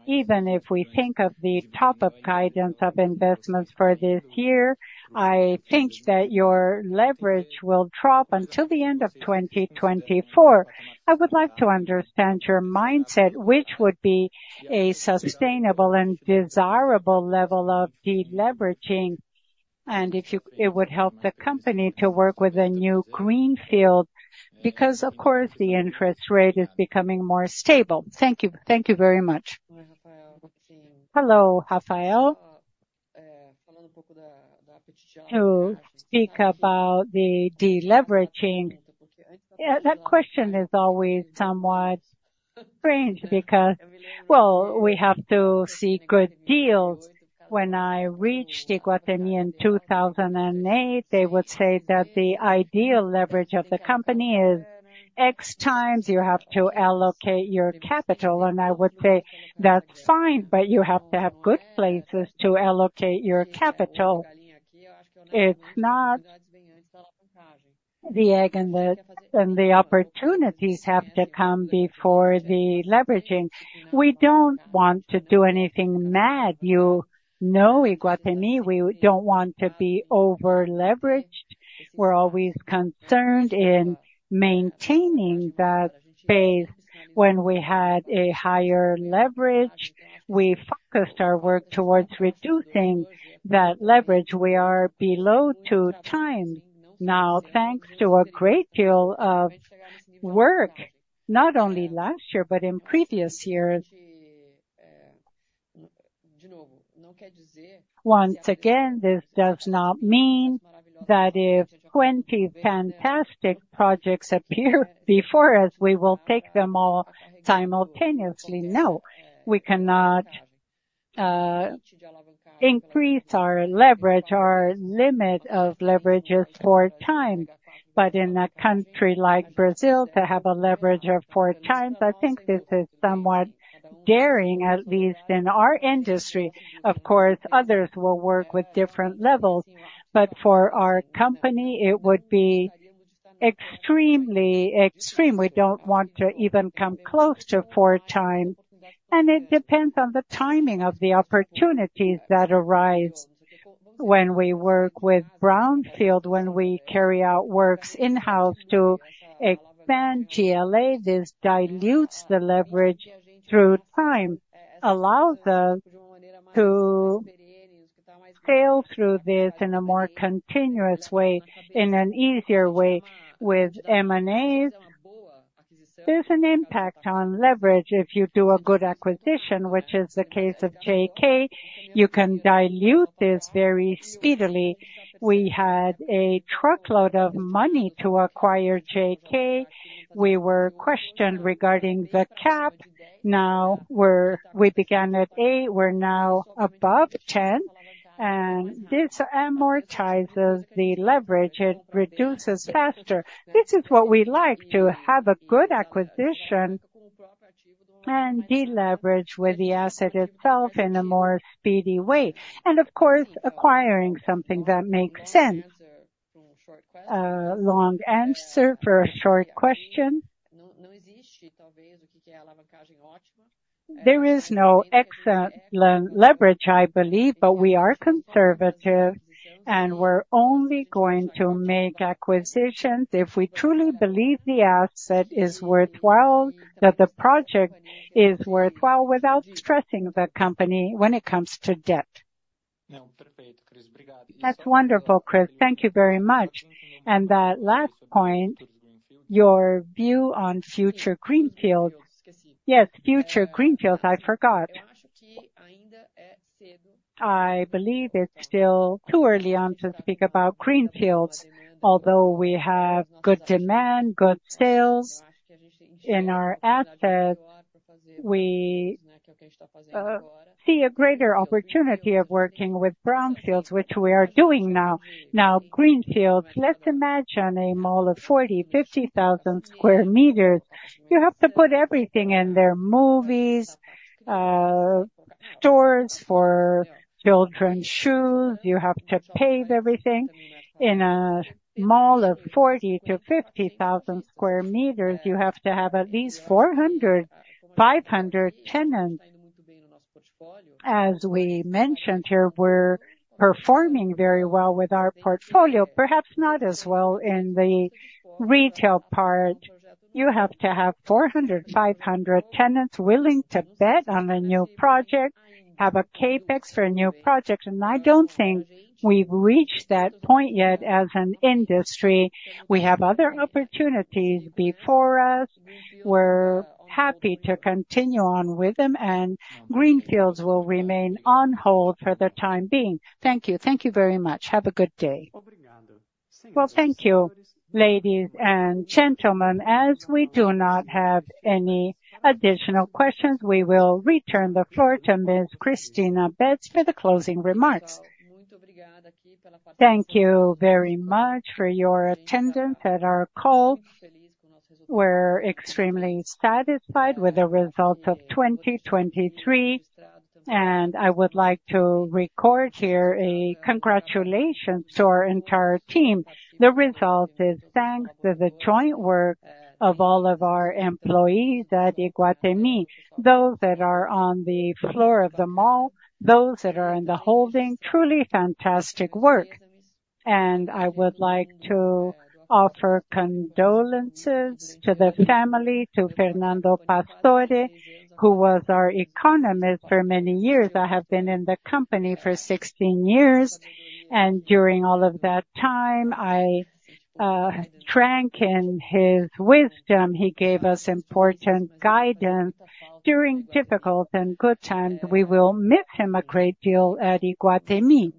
even if we think of the top-up guidance of investments for this year, I think that your leverage will drop until the end of 2024. I would like to understand your mindset, which would be a sustainable and desirable level of deleveraging, and if it would help the company to work with a new greenfield because, of course, the interest rate is becoming more stable. Thank you. Thank you very much. Hello, Rafael. To speak about the deleveraging. Yeah, that question is always somewhat strange because, well, we have to seek good deals. When I reached Iguatemi in 2008, they would say that the ideal leverage of the company is X times you have to allocate your capital. And I would say that's fine, but you have to have good places to allocate your capital. It's not the egg and the opportunities have to come before the leveraging. We don't want to do anything mad. You know Iguatemi. We don't want to be over-leveraged. We're always concerned in maintaining that space. When we had a higher leverage, we focused our work towards reducing that leverage. We are below 2x now, thanks to a great deal of work, not only last year but in previous years. Once again, this does not mean that if 20 fantastic projects appear before us, we will take them all simultaneously. No, we cannot increase our leverage. Our limit of leverage is 4x. But in a country like Brazil, to have a leverage of 4x, I think this is somewhat daring, at least in our industry. Of course, others will work with different levels. But for our company, it would be extremely, extreme. We don't want to even come close to 4x. It depends on the timing of the opportunities that arise. When we work with Brownfield, when we carry out works in-house to expand GLA, this dilutes the leverage through time, allows us to scale through this in a more continuous way, in an easier way with M&As. There's an impact on leverage. If you do a good acquisition, which is the case of JK, you can dilute this very speedily. We had a truckload of money to acquire JK. We were questioned regarding the cap. Now we began at 8. We're now above 10. And this amortizes the leverage. It reduces faster. This is what we like to have: a good acquisition and deleverage with the asset itself in a more speedy way, and of course, acquiring something that makes sense. Long answer for a short question. There is no excellent leverage, I believe, but we are conservative, and we're only going to make acquisitions if we truly believe the asset is worthwhile, that the project is worthwhile without stressing the company when it comes to debt. That's wonderful, Chris. Thank you very much. And that last point, your view on future Greenfields. Yes, future Greenfields. I forgot. I believe it's still too early on to speak about Greenfields, although we have good demand, good sales in our assets. We see a greater opportunity of working with Brownfields, which we are doing now. Now, Greenfields, let's imagine a mall of 40,000-50,000sqm. You have to put everything in there: movies, stores for children's shoes. You have to pave everything. In a mall of 40,000-50,000sqm, you have to have at least 400-500 tenants. As we mentioned here, we're performing very well with our portfolio, perhaps not as well in the retail part. You have to have 400, 500 tenants willing to bet on a new project, have a CapEx for a new project. And I don't think we've reached that point yet as an industry. We have other opportunities before us. We're happy to continue on with them, and Greenfields will remain on hold for the time being. Thank you. Thank you very much. Have a good day. Well, thank you, ladies and gentlemen. As we do not have any additional questions, we will return the floor to Ms. Cristina Betts for the closing remarks. Thank you very much for your attendance at our call. We're extremely satisfied with the results of 2023. And I would like to record here a congratulations to our entire team. The result is thanks to the joint work of all of our employees at Iguatemi, those that are on the floor of the mall, those that are in the holding. Truly fantastic work. I would like to offer condolences to the family, to Fernando Pastore, who was our economist for many years. I have been in the company for 16 years. During all of that time, I drank in his wisdom. He gave us important guidance during difficult and good times. We will miss him a great deal at Iguatemi.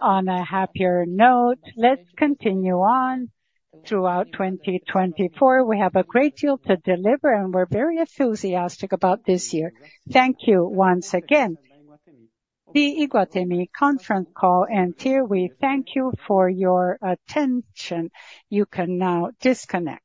On a happier note, let's continue on throughout 2024. We have a great deal to deliver, and we're very enthusiastic about this year. Thank you once again. The Iguatemi Conference Call and Tier Week, thank you for your attention. You can now disconnect.